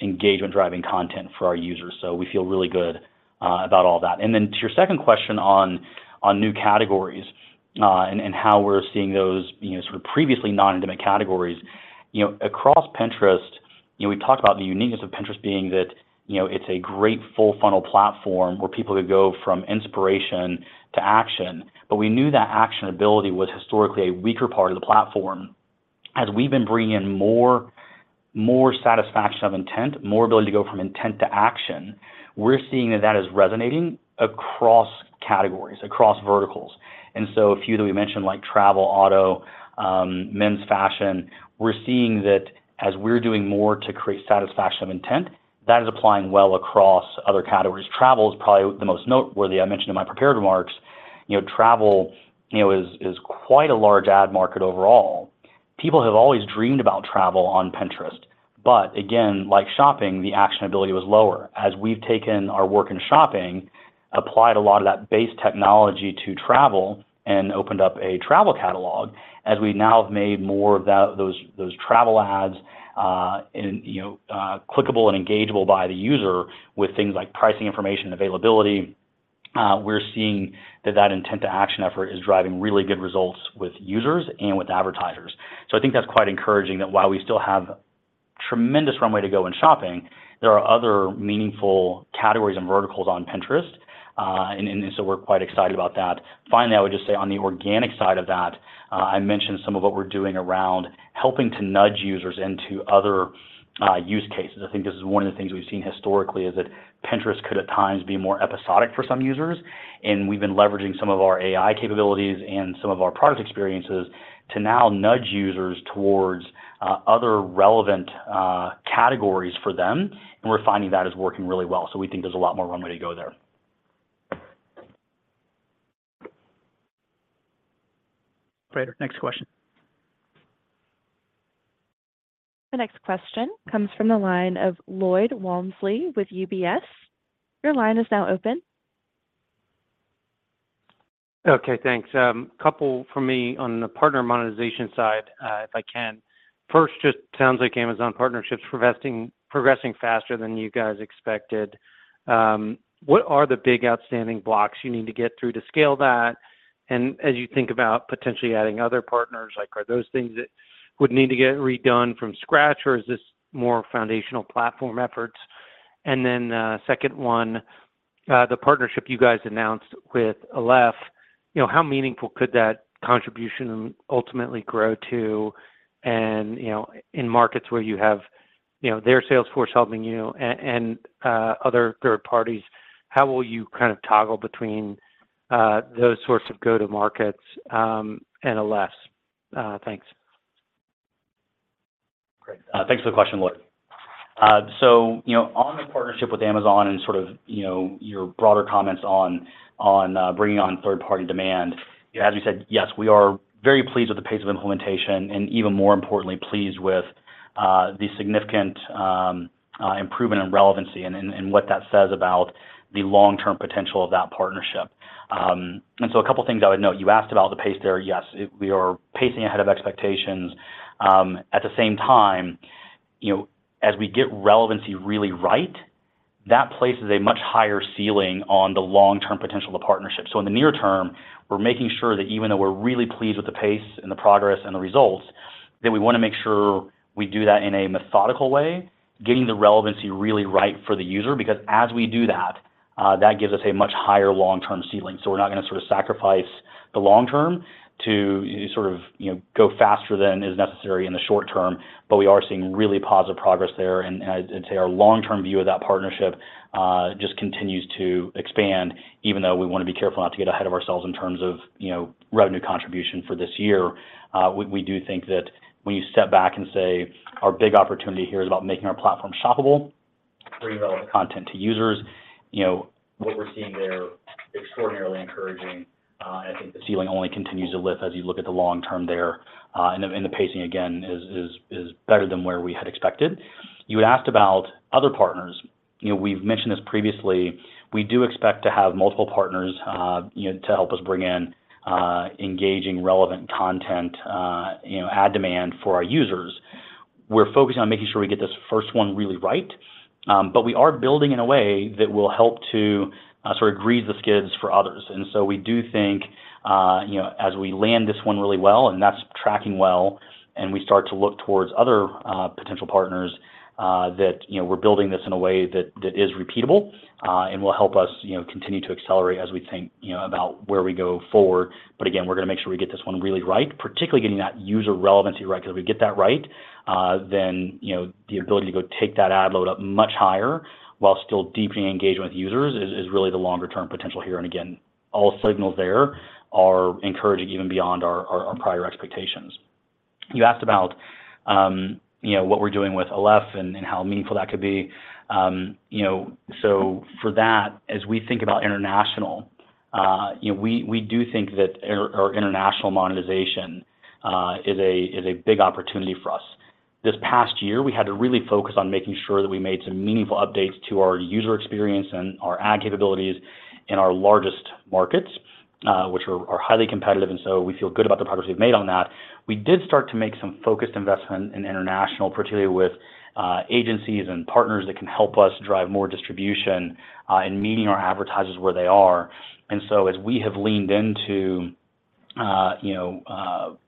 engagement-driving content for our users. We feel really good about all that. Then to your second question on, on new categories, and, and how we're seeing those, you know, sort of previously non-endemic categories. You know, across Pinterest, you know, we talked about the uniqueness of Pinterest being that, you know, it's a great full funnel platform where people could go from inspiration to action. We knew that actionability was historically a weaker part of the platform. As we've been bringing in more, more satisfaction of intent, more ability to go from intent to action, we're seeing that that is resonating across categories, across verticals. A few that we mentioned, like travel, auto, men's fashion, we're seeing that as we're doing more to create satisfaction of intent, that is applying well across other categories. Travel is probably the most noteworthy. I mentioned in my prepared remarks, you know, travel, you know, is, is quite a large ad market overall. People have always dreamed about travel on Pinterest, but again, like shopping, the actionability was lower. As we've taken our work in shopping, applied a lot of that base technology to travel and opened up a travel catalog, as we now have made more of that, those, those travel ads, and, you know, clickable and engageable by the user with things like pricing information and availability, we're seeing that that intent to action effort is driving really good results with users and with advertisers. I think that's quite encouraging, that while we still have tremendous runway to go in shopping, there are other meaningful categories and verticals on Pinterest. And so we're quite excited about that. Finally, I would just say on the organic side of that, I mentioned some of what we're doing around helping to nudge users into other use cases. I think this is one of the things we've seen historically, is that Pinterest could at times be more episodic for some users, and we've been leveraging some of our AI capabilities and some of our product experiences to now nudge users towards other relevant categories for them, and we're finding that is working really well. We think there's a lot more runway to go there. Great, next question. The next question comes from the line of Lloyd Walmsley with UBS. Your line is now open. Okay, thanks. Couple for me on the partner monetization side, if I can. First, just sounds like Amazon partnership's progressing, progressing faster than you guys expected. What are the big outstanding blocks you need to get through to scale that? As you think about potentially adding other partners, like, are those things that would need to get redone from scratch, or is this more foundational platform efforts? Then, second one, the partnership you guys announced with Aleph, you know, how meaningful could that contribution ultimately grow to? You know, in markets where you have, you know, their sales force helping you and, and, other third parties, how will you kind of toggle between those sorts of go-to markets, and Aleph's? Thanks. Great. Thanks for the question, Lloyd. You know, on the partnership with Amazon and sort of, you know, your broader comments on, on bringing on third-party demand, as you said, yes, we are very pleased with the pace of implementation and even more importantly, pleased with the significant improvement in relevancy and, and, and what that says about the long-term potential of that partnership. A couple of things I would note. You asked about the pace there. Yes, we are pacing ahead of expectations. At the same time, you know, as we get relevancy really right, that places a much higher ceiling on the long-term potential of the partnership. In the near term, we're making sure that even though we're really pleased with the pace and the progress and the results, that we want to make sure we do that in a methodical way, getting the relevancy really right for the user, because as we do that, that gives us a much higher long-term ceiling. We're not gonna sort of sacrifice the long term to sort of, you know, go faster than is necessary in the short term. We are seeing really positive progress there, and, and I'd say our long-term view of that partnership, just continues to expand, even though we want to be careful not to get ahead of ourselves in terms of, you know, revenue contribution for this year. We, we do think that when you step back and say our big opportunity here is about making our platform shoppable, bringing relevant content to users, you know, what we're seeing there extraordinarily encouraging, and I think the ceiling only continues to lift as you look at the long term there. The pacing, again, is, is, is better than where we had expected. You had asked about other partners. You know, we've mentioned this previously, we do expect to have multiple partners, you know, to help us bring in engaging relevant content, you know, ad demand for our users. We're focusing on making sure we get this first one really right, but we are building in a way that will help to sort of grease the skids for others. We do think, you know, as we land this one really well, and that's tracking well, and we start to look towards other, potential partners, that, you know, we're building this in a way that, that is repeatable, and will help us, you know, continue to accelerate as we think, you know, about where we go forward. Again, we're gonna make sure we get this one really right, particularly getting that user relevancy right, because if we get that right, then, you know, the ability to go take that ad load up much higher while still deepening engagement with users is, is really the longer term potential here. Again, all signals there are encouraging even beyond our, our prior expectations. You asked about, you know, what we're doing with Aleph and how meaningful that could be. You know, for that, as we think about international, you know, we, we do think that our, our international monetization is a, is a big opportunity for us. This past year, we had to really focus on making sure that we made some meaningful updates to our user experience and our ad capabilities in our largest markets, which are, are highly competitive, we feel good about the progress we've made on that. We did start to make some focused investment in international, particularly with agencies and partners that can help us drive more distribution in meeting our advertisers where they are. As we have leaned into, you know,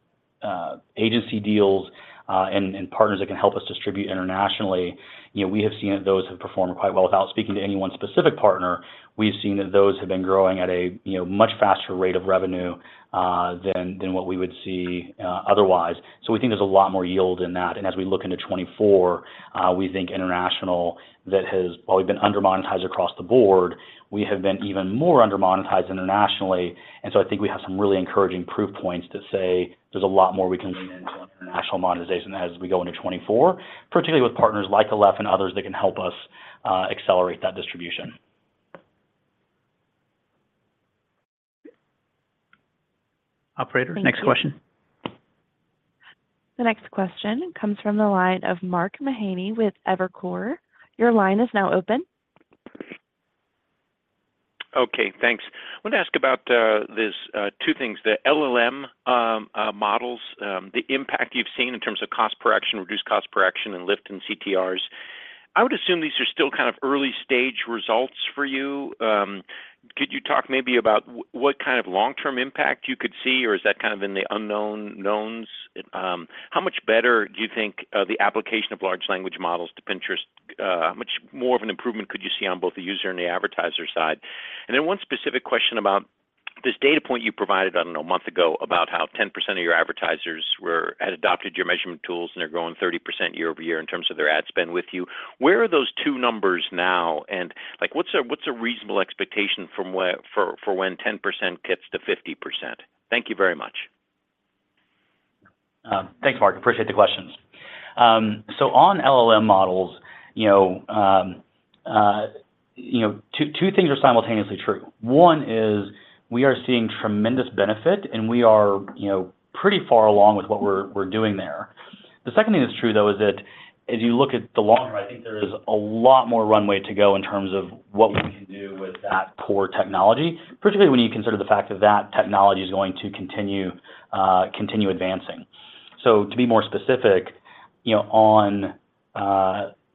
agency deals, and partners that can help us distribute internationally, you know, we have seen that those have performed quite well. Without speaking to any 1 specific partner, we've seen that those have been growing at a, you know, much faster rate of revenue than what we would see otherwise. We think there's a lot more yield in that. As we look into 2024, we think international, that has probably been under monetized across the board, we have been even more under monetized internationally, and so I think we have some really encouraging proof points to say there's a lot more we can lean into international monetization as we go into 2024, particularly with partners like Aleph and others, that can help us accelerate that distribution. Operator, next question. The next question comes from the line of Mark Mahaney with Evercore. Your line is now open. Okay, thanks. I want to ask about this two things: the LLM models, the impact you've seen in terms of cost per action, reduced cost per action, and lift in CTRs. I would assume these are still kind of early-stage results for you. Could you talk maybe about what kind of long-term impact you could see? Or is that kind of in the unknown knowns? How much better do you think the application of large language models to Pinterest, how much more of an improvement could you see on both the user and the advertiser side? One specific question about this data point you provided, a month ago, about how 10% of your advertisers had adopted your measurement tools, and they're growing 30% year-over-year in terms of their ad spend with you. Where are those two numbers now? What's a reasonable expectation for when 10% gets to 50%? Thank you very much. Thanks, Mark. Appreciate the questions. On LLM models, you know, you know, two, two things are simultaneously true. One is we are seeing tremendous benefit, and we are, you know, pretty far along with what we're, we're doing there. The second thing that's true, though, is that as you look at the long run, I think there is a lot more runway to go in terms of what we can do with that core technology, particularly when you consider the fact that that technology is going to continue, continue advancing. To be more specific, you know, on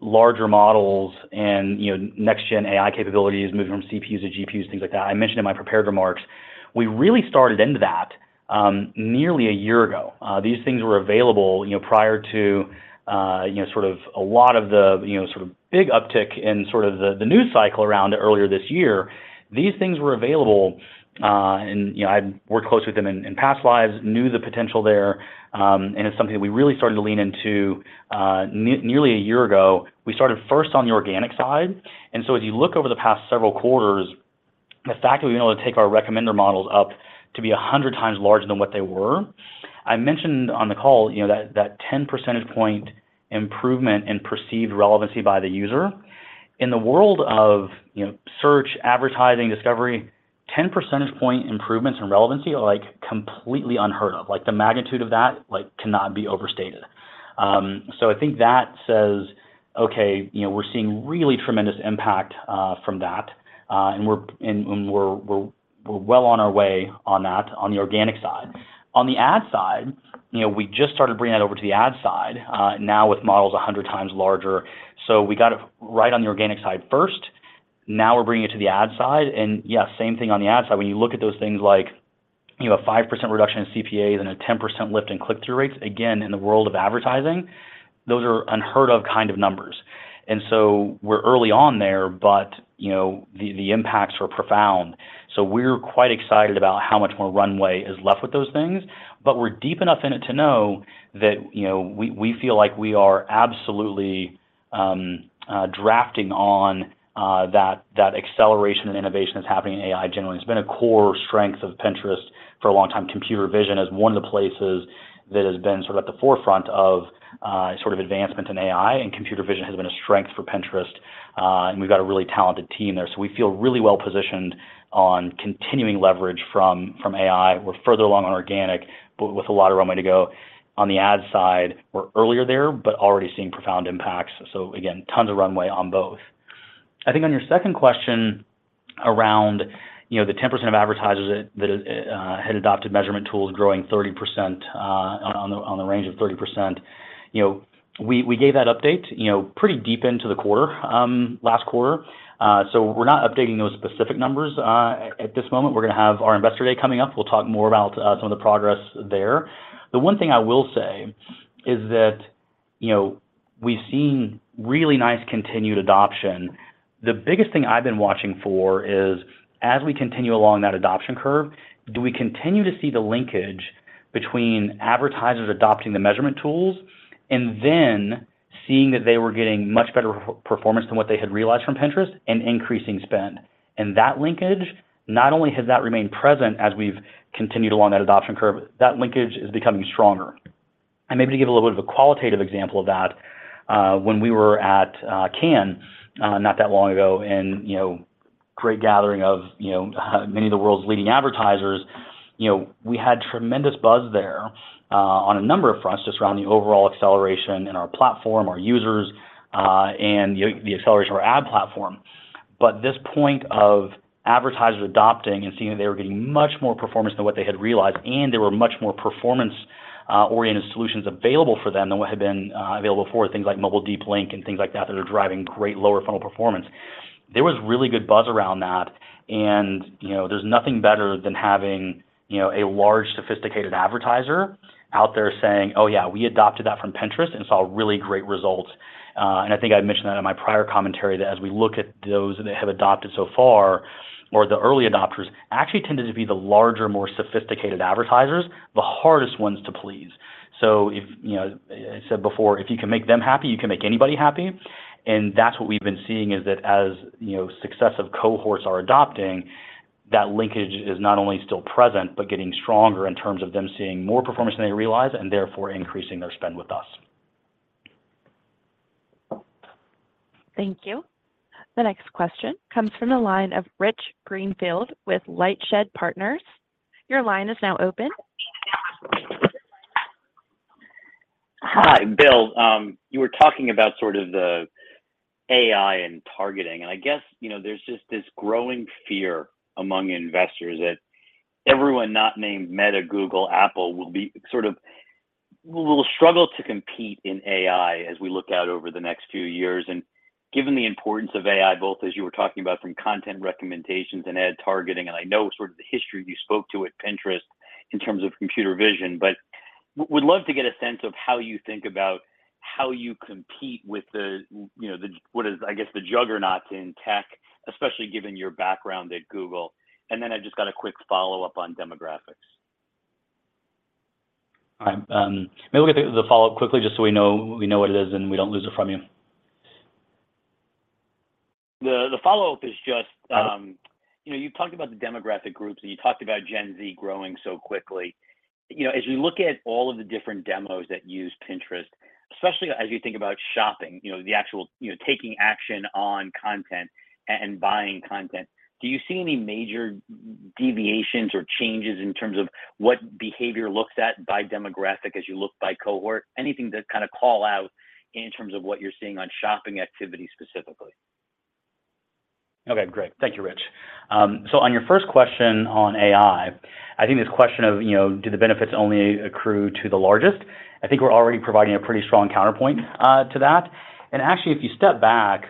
larger models and, you know, next gen AI capabilities, moving from CPUs to GPUs, things like that. I mentioned in my prepared remarks, we really started into that, nearly a year ago. These things were available, you know, prior to, you know, sort of a lot of the, you know, sort of big uptick in sort of the, the news cycle around earlier this year. These things were available, and, you know, I've worked closely with them in, in past lives, knew the potential there, and it's something that we really started to lean into, nearly a year ago. We started first on the organic side, and so as you look over the past several quarters, the fact that we've been able to take our recommender models up to be 100x larger than what they were, I mentioned on the call, you know, that, that 10 percentage point improvement in perceived relevancy by the user. In the world of, you know, search, advertising, discovery, 10 percentage point improvements in relevancy are, like, completely unheard of. The magnitude of that, like, cannot be overstated. I think that says, okay, you know, we're seeing really tremendous impact from that, and we're well on our way on that, on the organic side. On the ad side, you know, we just started bringing it over to the ad side, now with models 100 times larger. We got it right on the organic side first, now we're bringing it to the ad side. Yeah, same thing on the ad side. When you look at those things like, you know, a 5% reduction in CPAs and a 10% lift in click-through rates, again, in the world of advertising, those are unheard of kind of numbers. So we're early on there, but, you know, the, the impacts were profound. We're quite excited about how much more runway is left with those things, but we're deep enough in it to know that, you know, we, we feel like we are absolutely drafting on that, that acceleration and innovation that's happening in AI generally. It's been a core strength of Pinterest for a long time. Computer vision is one of the places that has been sort of at the forefront of sort of advancement in AI, and computer vision has been a strength for Pinterest, and we've got a really talented team there. We feel really well positioned on continuing leverage from, from AI. We're further along on organic, but with a lot of runway to go. On the ad side, we're earlier there, but already seeing profound impacts. Again, tons of runway on both. I think on your second question around, you know, the 10% of advertisers that, that had adopted measurement tools growing 30%, on, on the, on the range of 30%, you know, we, we gave that update, you know, pretty deep into the quarter, last quarter, so we're not updating those specific numbers at this moment. We're gonna have our Investor Day coming up. We'll talk more about some of the progress there. The one thing I will say is that, you know, we've seen really nice continued adoption. The biggest thing I've been watching for is, as we continue along that adoption curve, do we continue to see the linkage between advertisers adopting the measurement tools and then seeing that they were getting much better performance than what they had realized from Pinterest and increasing spend. That linkage, not only has that remained present as we've continued along that adoption curve, that linkage is becoming stronger. Maybe to give a little bit of a qualitative example of that, when we were at Cannes, not that long ago, and, you know, great gathering of, you know, many of the world's leading advertisers. You know, we had tremendous buzz there, on a number of fronts, just around the overall acceleration in our platform, our users, and the acceleration of our ad platform. This point of advertisers adopting and seeing that they were getting much more performance than what they had realized, and there were much more performance-oriented solutions available for them than what had been available before, things like mobile deep link and things like that, that are driving great lower funnel performance. There was really good buzz around that, and, you know, there's nothing better than having, you know, a large, sophisticated advertiser out there saying: "Oh, yeah, we adopted that from Pinterest and saw really great results." And I think I mentioned that in my prior commentary, that as we look at those that have adopted so far, or the early adopters, actually tended to be the larger, more sophisticated advertisers, the hardest ones to please. If, you know, as I said before, if you can make them happy, you can make anybody happy. That's what we've been seeing, is that, as, you know, successive cohorts are adopting, that linkage is not only still present, but getting stronger in terms of them seeing more performance than they realized, and therefore increasing their spend with us. Thank you. The next question comes from the line of Rich Greenfield with LightShed Partners. Your line is now open. Hi, Bill. you were talking about sort of the AI and targeting, I guess, you know, there's just this growing fear among investors that everyone not named Meta, Google, Apple, will be will struggle to compete in AI as we look out over the next few years. Given the importance of AI, both as you were talking about from content recommendations and ad targeting, and I know sort of the history you spoke to at Pinterest in terms of computer vision, but would love to get a sense of how you think about how you compete with the, you know, what is, I guess, the juggernauts in tech, especially given your background at Google. Then I've just got a quick follow-up on demographics? Maybe we'll get to the follow-up quickly, just so we know, we know what it is, and we don't lose it from you. The, the follow-up is just... Okay. You know, you talked about the demographic groups, and you talked about Gen Z growing so quickly. You know, as you look at all of the different demos that use Pinterest, especially as you think about shopping, you know, the actual, you know, taking action on content and buying content, do you see any major deviations or changes in terms of what behavior looks at by demographic as you look by cohort? Anything to kind of call out in terms of what you're seeing on shopping activity specifically? Okay, great. Thank you, Rich. On your first question on AI, I think this question of, you know, do the benefits only accrue to the largest? I think we're already providing a pretty strong counterpoint to that. Actually, if you step back,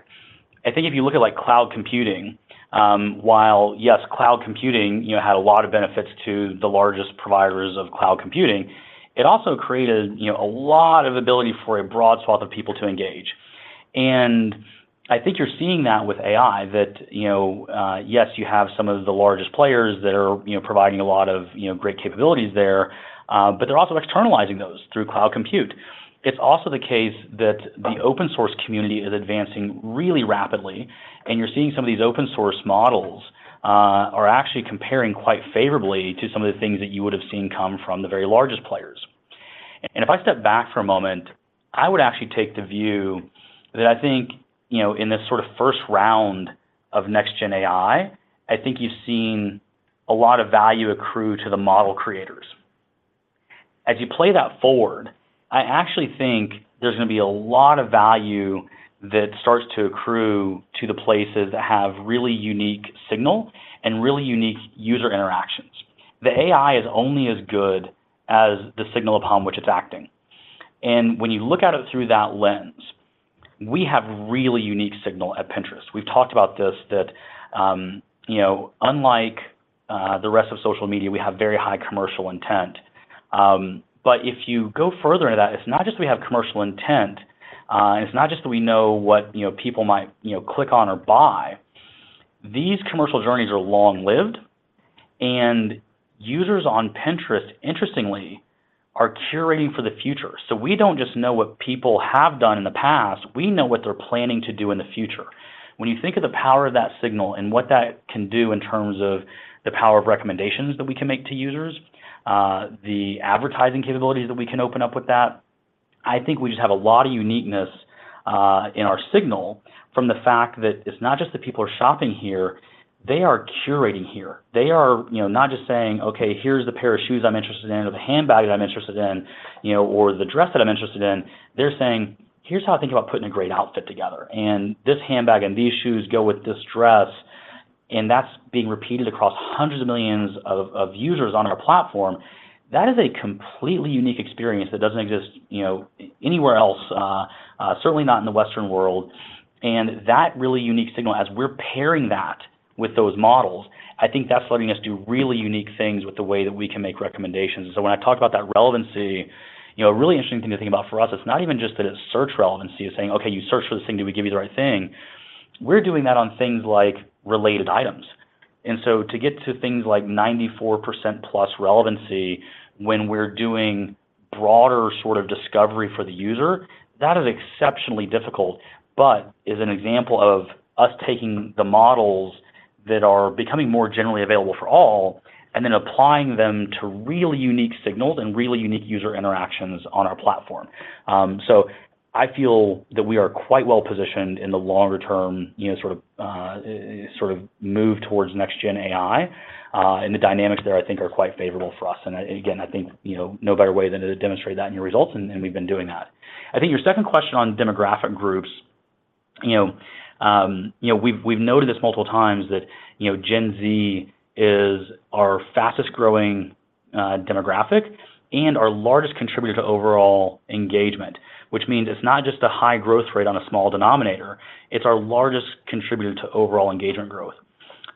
I think if you look at, like, cloud computing, while yes, cloud computing, you know, had a lot of benefits to the largest providers of cloud computing, it also created, you know, a lot of ability for a broad swath of people to engage. I think you're seeing that with AI, that, you know, yes, you have some of the largest players that are, you know, providing a lot of, you know, great capabilities there, but they're also externalizing those through cloud compute. It's also the case that the open source community is advancing really rapidly, and you're seeing some of these open source models, are actually comparing quite favorably to some of the things that you would have seen come from the very largest players. If I step back for a moment, I would actually take the view that I think, you know, in this sort of first round of next gen AI, I think you've seen a lot of value accrue to the model creators. As you play that forward, I actually think there's going to be a lot of value that starts to accrue to the places that have really unique signal and really unique user interactions. The AI is only as good as the signal upon which it's acting. When you look at it through that lens, we have really unique signal at Pinterest. We've talked about this, that, you know, unlike, the rest of social media, we have very high commercial intent. If you go further into that, it's not just we have commercial intent, and it's not just that we know what, you know, people might, you know, click on or buy. These commercial journeys are long-lived, and users on Pinterest, interestingly, are curating for the future. We don't just know what people have done in the past, we know what they're planning to do in the future. When you think of the power of that signal and what that can do in terms of the power of recommendations that we can make to users, the advertising capabilities that we can open up with that, I think we just have a lot of uniqueness in our signal from the fact that it's not just that people are shopping here, they are curating here. They are, you know, not just saying: "Okay, here's the pair of shoes I'm interested in, or the handbag that I'm interested in, you know, or the dress that I'm interested in." They're saying: "Here's how I think about putting a great outfit together, and this handbag and these shoes go with this dress." That's being repeated across hundreds of millions of, of users on our platform. That is a completely unique experience that doesn't exist, you know, anywhere else, certainly not in the Western world. That really unique signal, as we're pairing that with those models, I think that's letting us do really unique things with the way that we can make recommendations. When I talk about that relevancy, you know, a really interesting thing to think about for us, it's not even just that it's search relevancy of saying, "Okay, you searched for this thing. Did we give you the right thing?" We're doing that on things like related items. To get to things like 94% plus relevancy when we're doing broader sort of discovery for the user, that is exceptionally difficult, but is an example of us taking the models. that are becoming more generally available for all, and then applying them to really unique signals and really unique user interactions on our platform. I feel that we are quite well positioned in the longer term, you know, sort of, sort of move towards next-gen AI, and the dynamics there I think are quite favorable for us. Again, I think, you know, no better way than to demonstrate that in your results, and we've been doing that. I think your second question on demographic groups, you know, you know, we've, we've noted this multiple times that, you know, Gen Z is our fastest growing demographic and our largest contributor to overall engagement, which means it's not just a high growth rate on a small denominator, it's our largest contributor to overall engagement growth.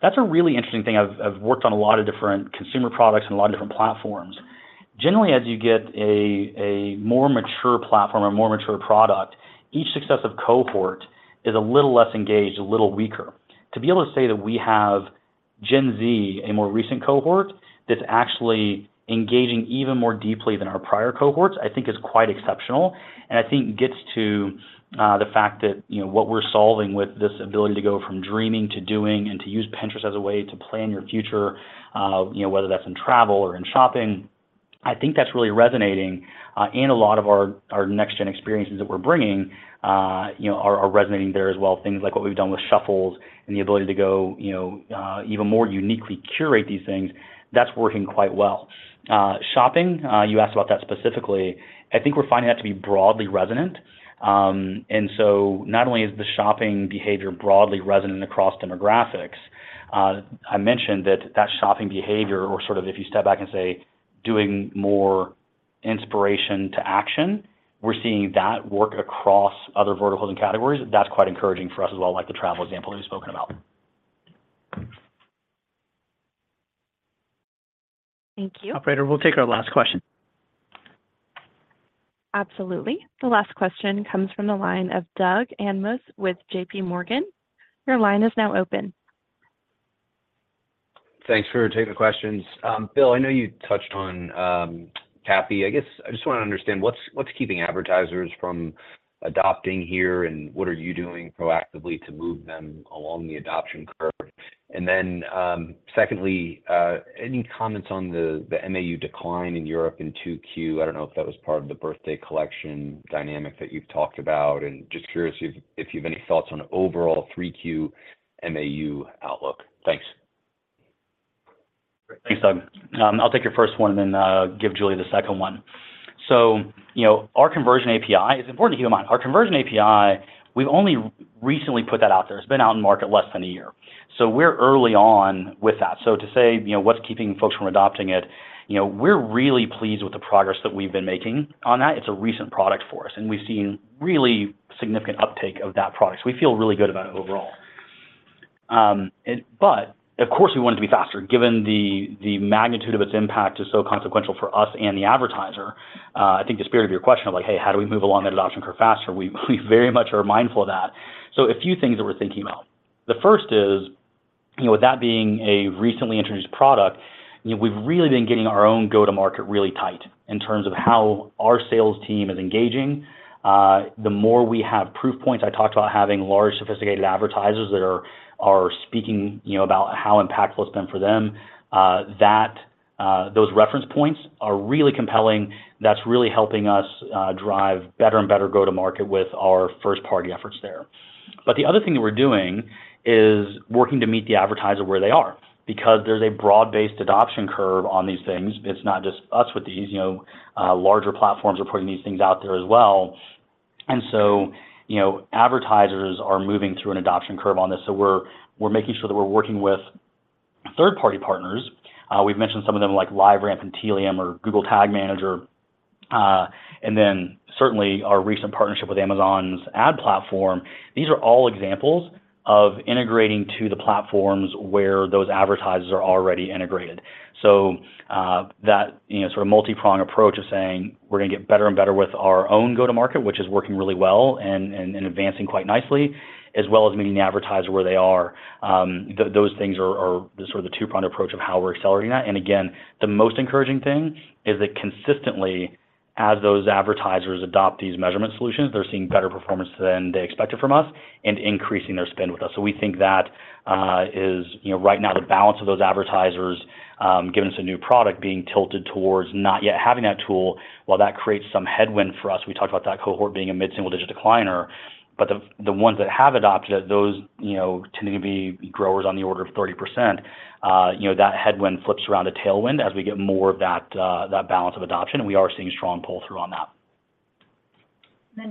That's a really interesting thing. I've, I've worked on a lot of different consumer products and a lot of different platforms. Generally, as you get a, a more mature platform or more mature product, each successive cohort is a little less engaged, a little weaker. To be able to say that we have Gen Z, a more recent cohort, that's actually engaging even more deeply than our prior cohorts, I think is quite exceptional, and I think gets to the fact that, you know, what we're solving with this ability to go from dreaming to doing and to use Pinterest as a way to plan your future, you know, whether that's in travel or in shopping, I think that's really resonating, and a lot of our, our next gen experiences that we're bringing, you know, are, are resonating there as well. Things like what we've done with Shuffles and the ability to go, you know, even more uniquely curate these things, that's working quite well. Shopping, you asked about that specifically. I think we're finding that to be broadly resonant. Not only is the shopping behavior broadly resonant across demographics, I mentioned that that shopping behavior or sort of if you step back and say, doing more inspiration to action, we're seeing that work across other verticals and categories. That's quite encouraging for us as well, like the travel example we've spoken about. Thank you. Operator, we'll take our last question. Absolutely. The last question comes from the line of Doug Anmuth with JP Morgan. Your line is now open. Thanks for taking the questions. Bill, I know you touched on TAPI. I guess I just wanna understand what's, what's keeping advertisers from adopting here, and what are you doing proactively to move them along the adoption curve? Secondly, any comments on the MAU decline in Europe in 2Q? I don't know if that was part of the birthday collection dynamic that you've talked about, and just curious if you have any thoughts on overall 3Q MAU outlook. Thanks. Thanks, Doug. I'll take your first one and then give Julie the second one. You know, our conversion API, it's important to keep in mind, our conversion API, we've only recently put that out there. It's been out in the market less than a year, so we're early on with that. To say, you know, what's keeping folks from adopting it, you know, we're really pleased with the progress that we've been making on that. It's a recent product for us, and we've seen really significant uptake of that product. We feel really good about it overall. It, but of course, we want it to be faster, given the, the magnitude of its impact is so consequential for us and the advertiser. I think the spirit of your question of like, "Hey, how do we move along that adoption curve faster?" We, we very much are mindful of that. A few things that we're thinking about. The first is, you know, with that being a recently introduced product, you know, we've really been getting our own go-to-market really tight in terms of how our sales team is engaging. The more we have proof points, I talked about having large sophisticated advertisers that are, are speaking, you know, about how impactful it's been for them, that those reference points are really compelling. That's really helping us, drive better and better go-to-market with our first-party efforts there. The other thing that we're doing is working to meet the advertiser where they are, because there's a broad-based adoption curve on these things. It's not just us with these, you know, larger platforms are putting these things out there as well. You know, advertisers are moving through an adoption curve on this, so we're, we're making sure that we're working with third-party partners. We've mentioned some of them, like LiveRamp and Tealium or Google Tag Manager, and then certainly our recent partnership with Amazon's ad platform. These are all examples of integrating to the platforms where those advertisers are already integrated. That, you know, sort of multi-prong approach of saying, we're gonna get better and better with our own go-to-market, which is working really well and, and, and advancing quite nicely, as well as meeting the advertiser where they are. Those things are, are the sort of the two-pronged approach of how we're accelerating that. Again, the most encouraging thing is that consistently, as those advertisers adopt these measurement solutions, they're seeing better performance than they expected from us and increasing their spend with us. We think that, you know, right now, the balance of those advertisers, giving us a new product, being tilted towards not yet having that tool. While that creates some headwind for us, we talked about that cohort being a mid-single-digit decliner, but the, the ones that have adopted it, those, you know, tending to be growers on the order of 30%, you know, that headwind flips around a tailwind as we get more of that, that balance of adoption, and we are seeing strong pull-through on that.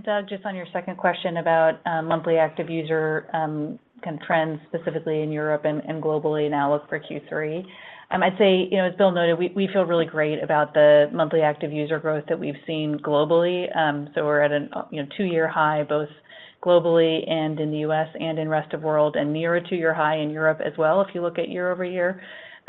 Doug, just on your second question about monthly active user, kind of trends, specifically in Europe and, and globally in outlook for Q3. I'd say, you know, as Bill noted, we, we feel really great about the monthly active user growth that we've seen globally. So we're at an, you know, two-year high, both globally and in the US and in rest of world, and near a two-year high in Europe as well, if you look at year-over-year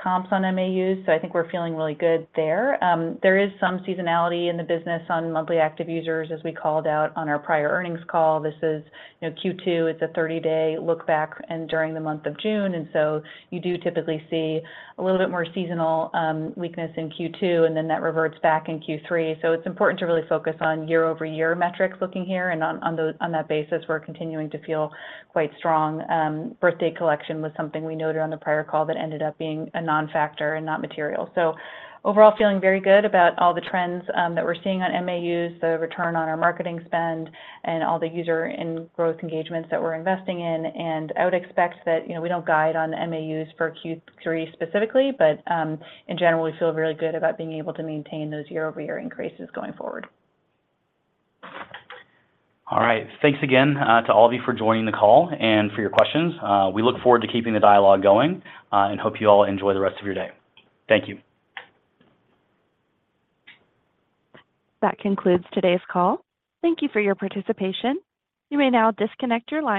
comps on MAUs, so I think we're feeling really good there. There is some seasonality in the business on monthly active users, as we called out on our prior earnings call. This is, you know, Q2, it's a 30-day look back and during the month of June, and so you do typically see a little bit more seasonal weakness in Q2, and then that reverts back in Q3. It's important to really focus on year-over-year metrics looking here and on, on the, on that basis, we're continuing to feel quite strong. birthday collection was something we noted on the prior call that ended up being a non-factor and not material. Overall, feeling very good about all the trends that we're seeing on MAUs, the return on our marketing spend, and all the user and growth engagements that we're investing in. I would expect that, you know, we don't guide on MAUs for Q3 specifically, but in general, we feel really good about being able to maintain those year-over-year increases going forward. All right. Thanks again to all of you for joining the call and for your questions. We look forward to keeping the dialogue going and hope you all enjoy the rest of your day. Thank you. That concludes today's call. Thank you for your participation. You may now disconnect your line.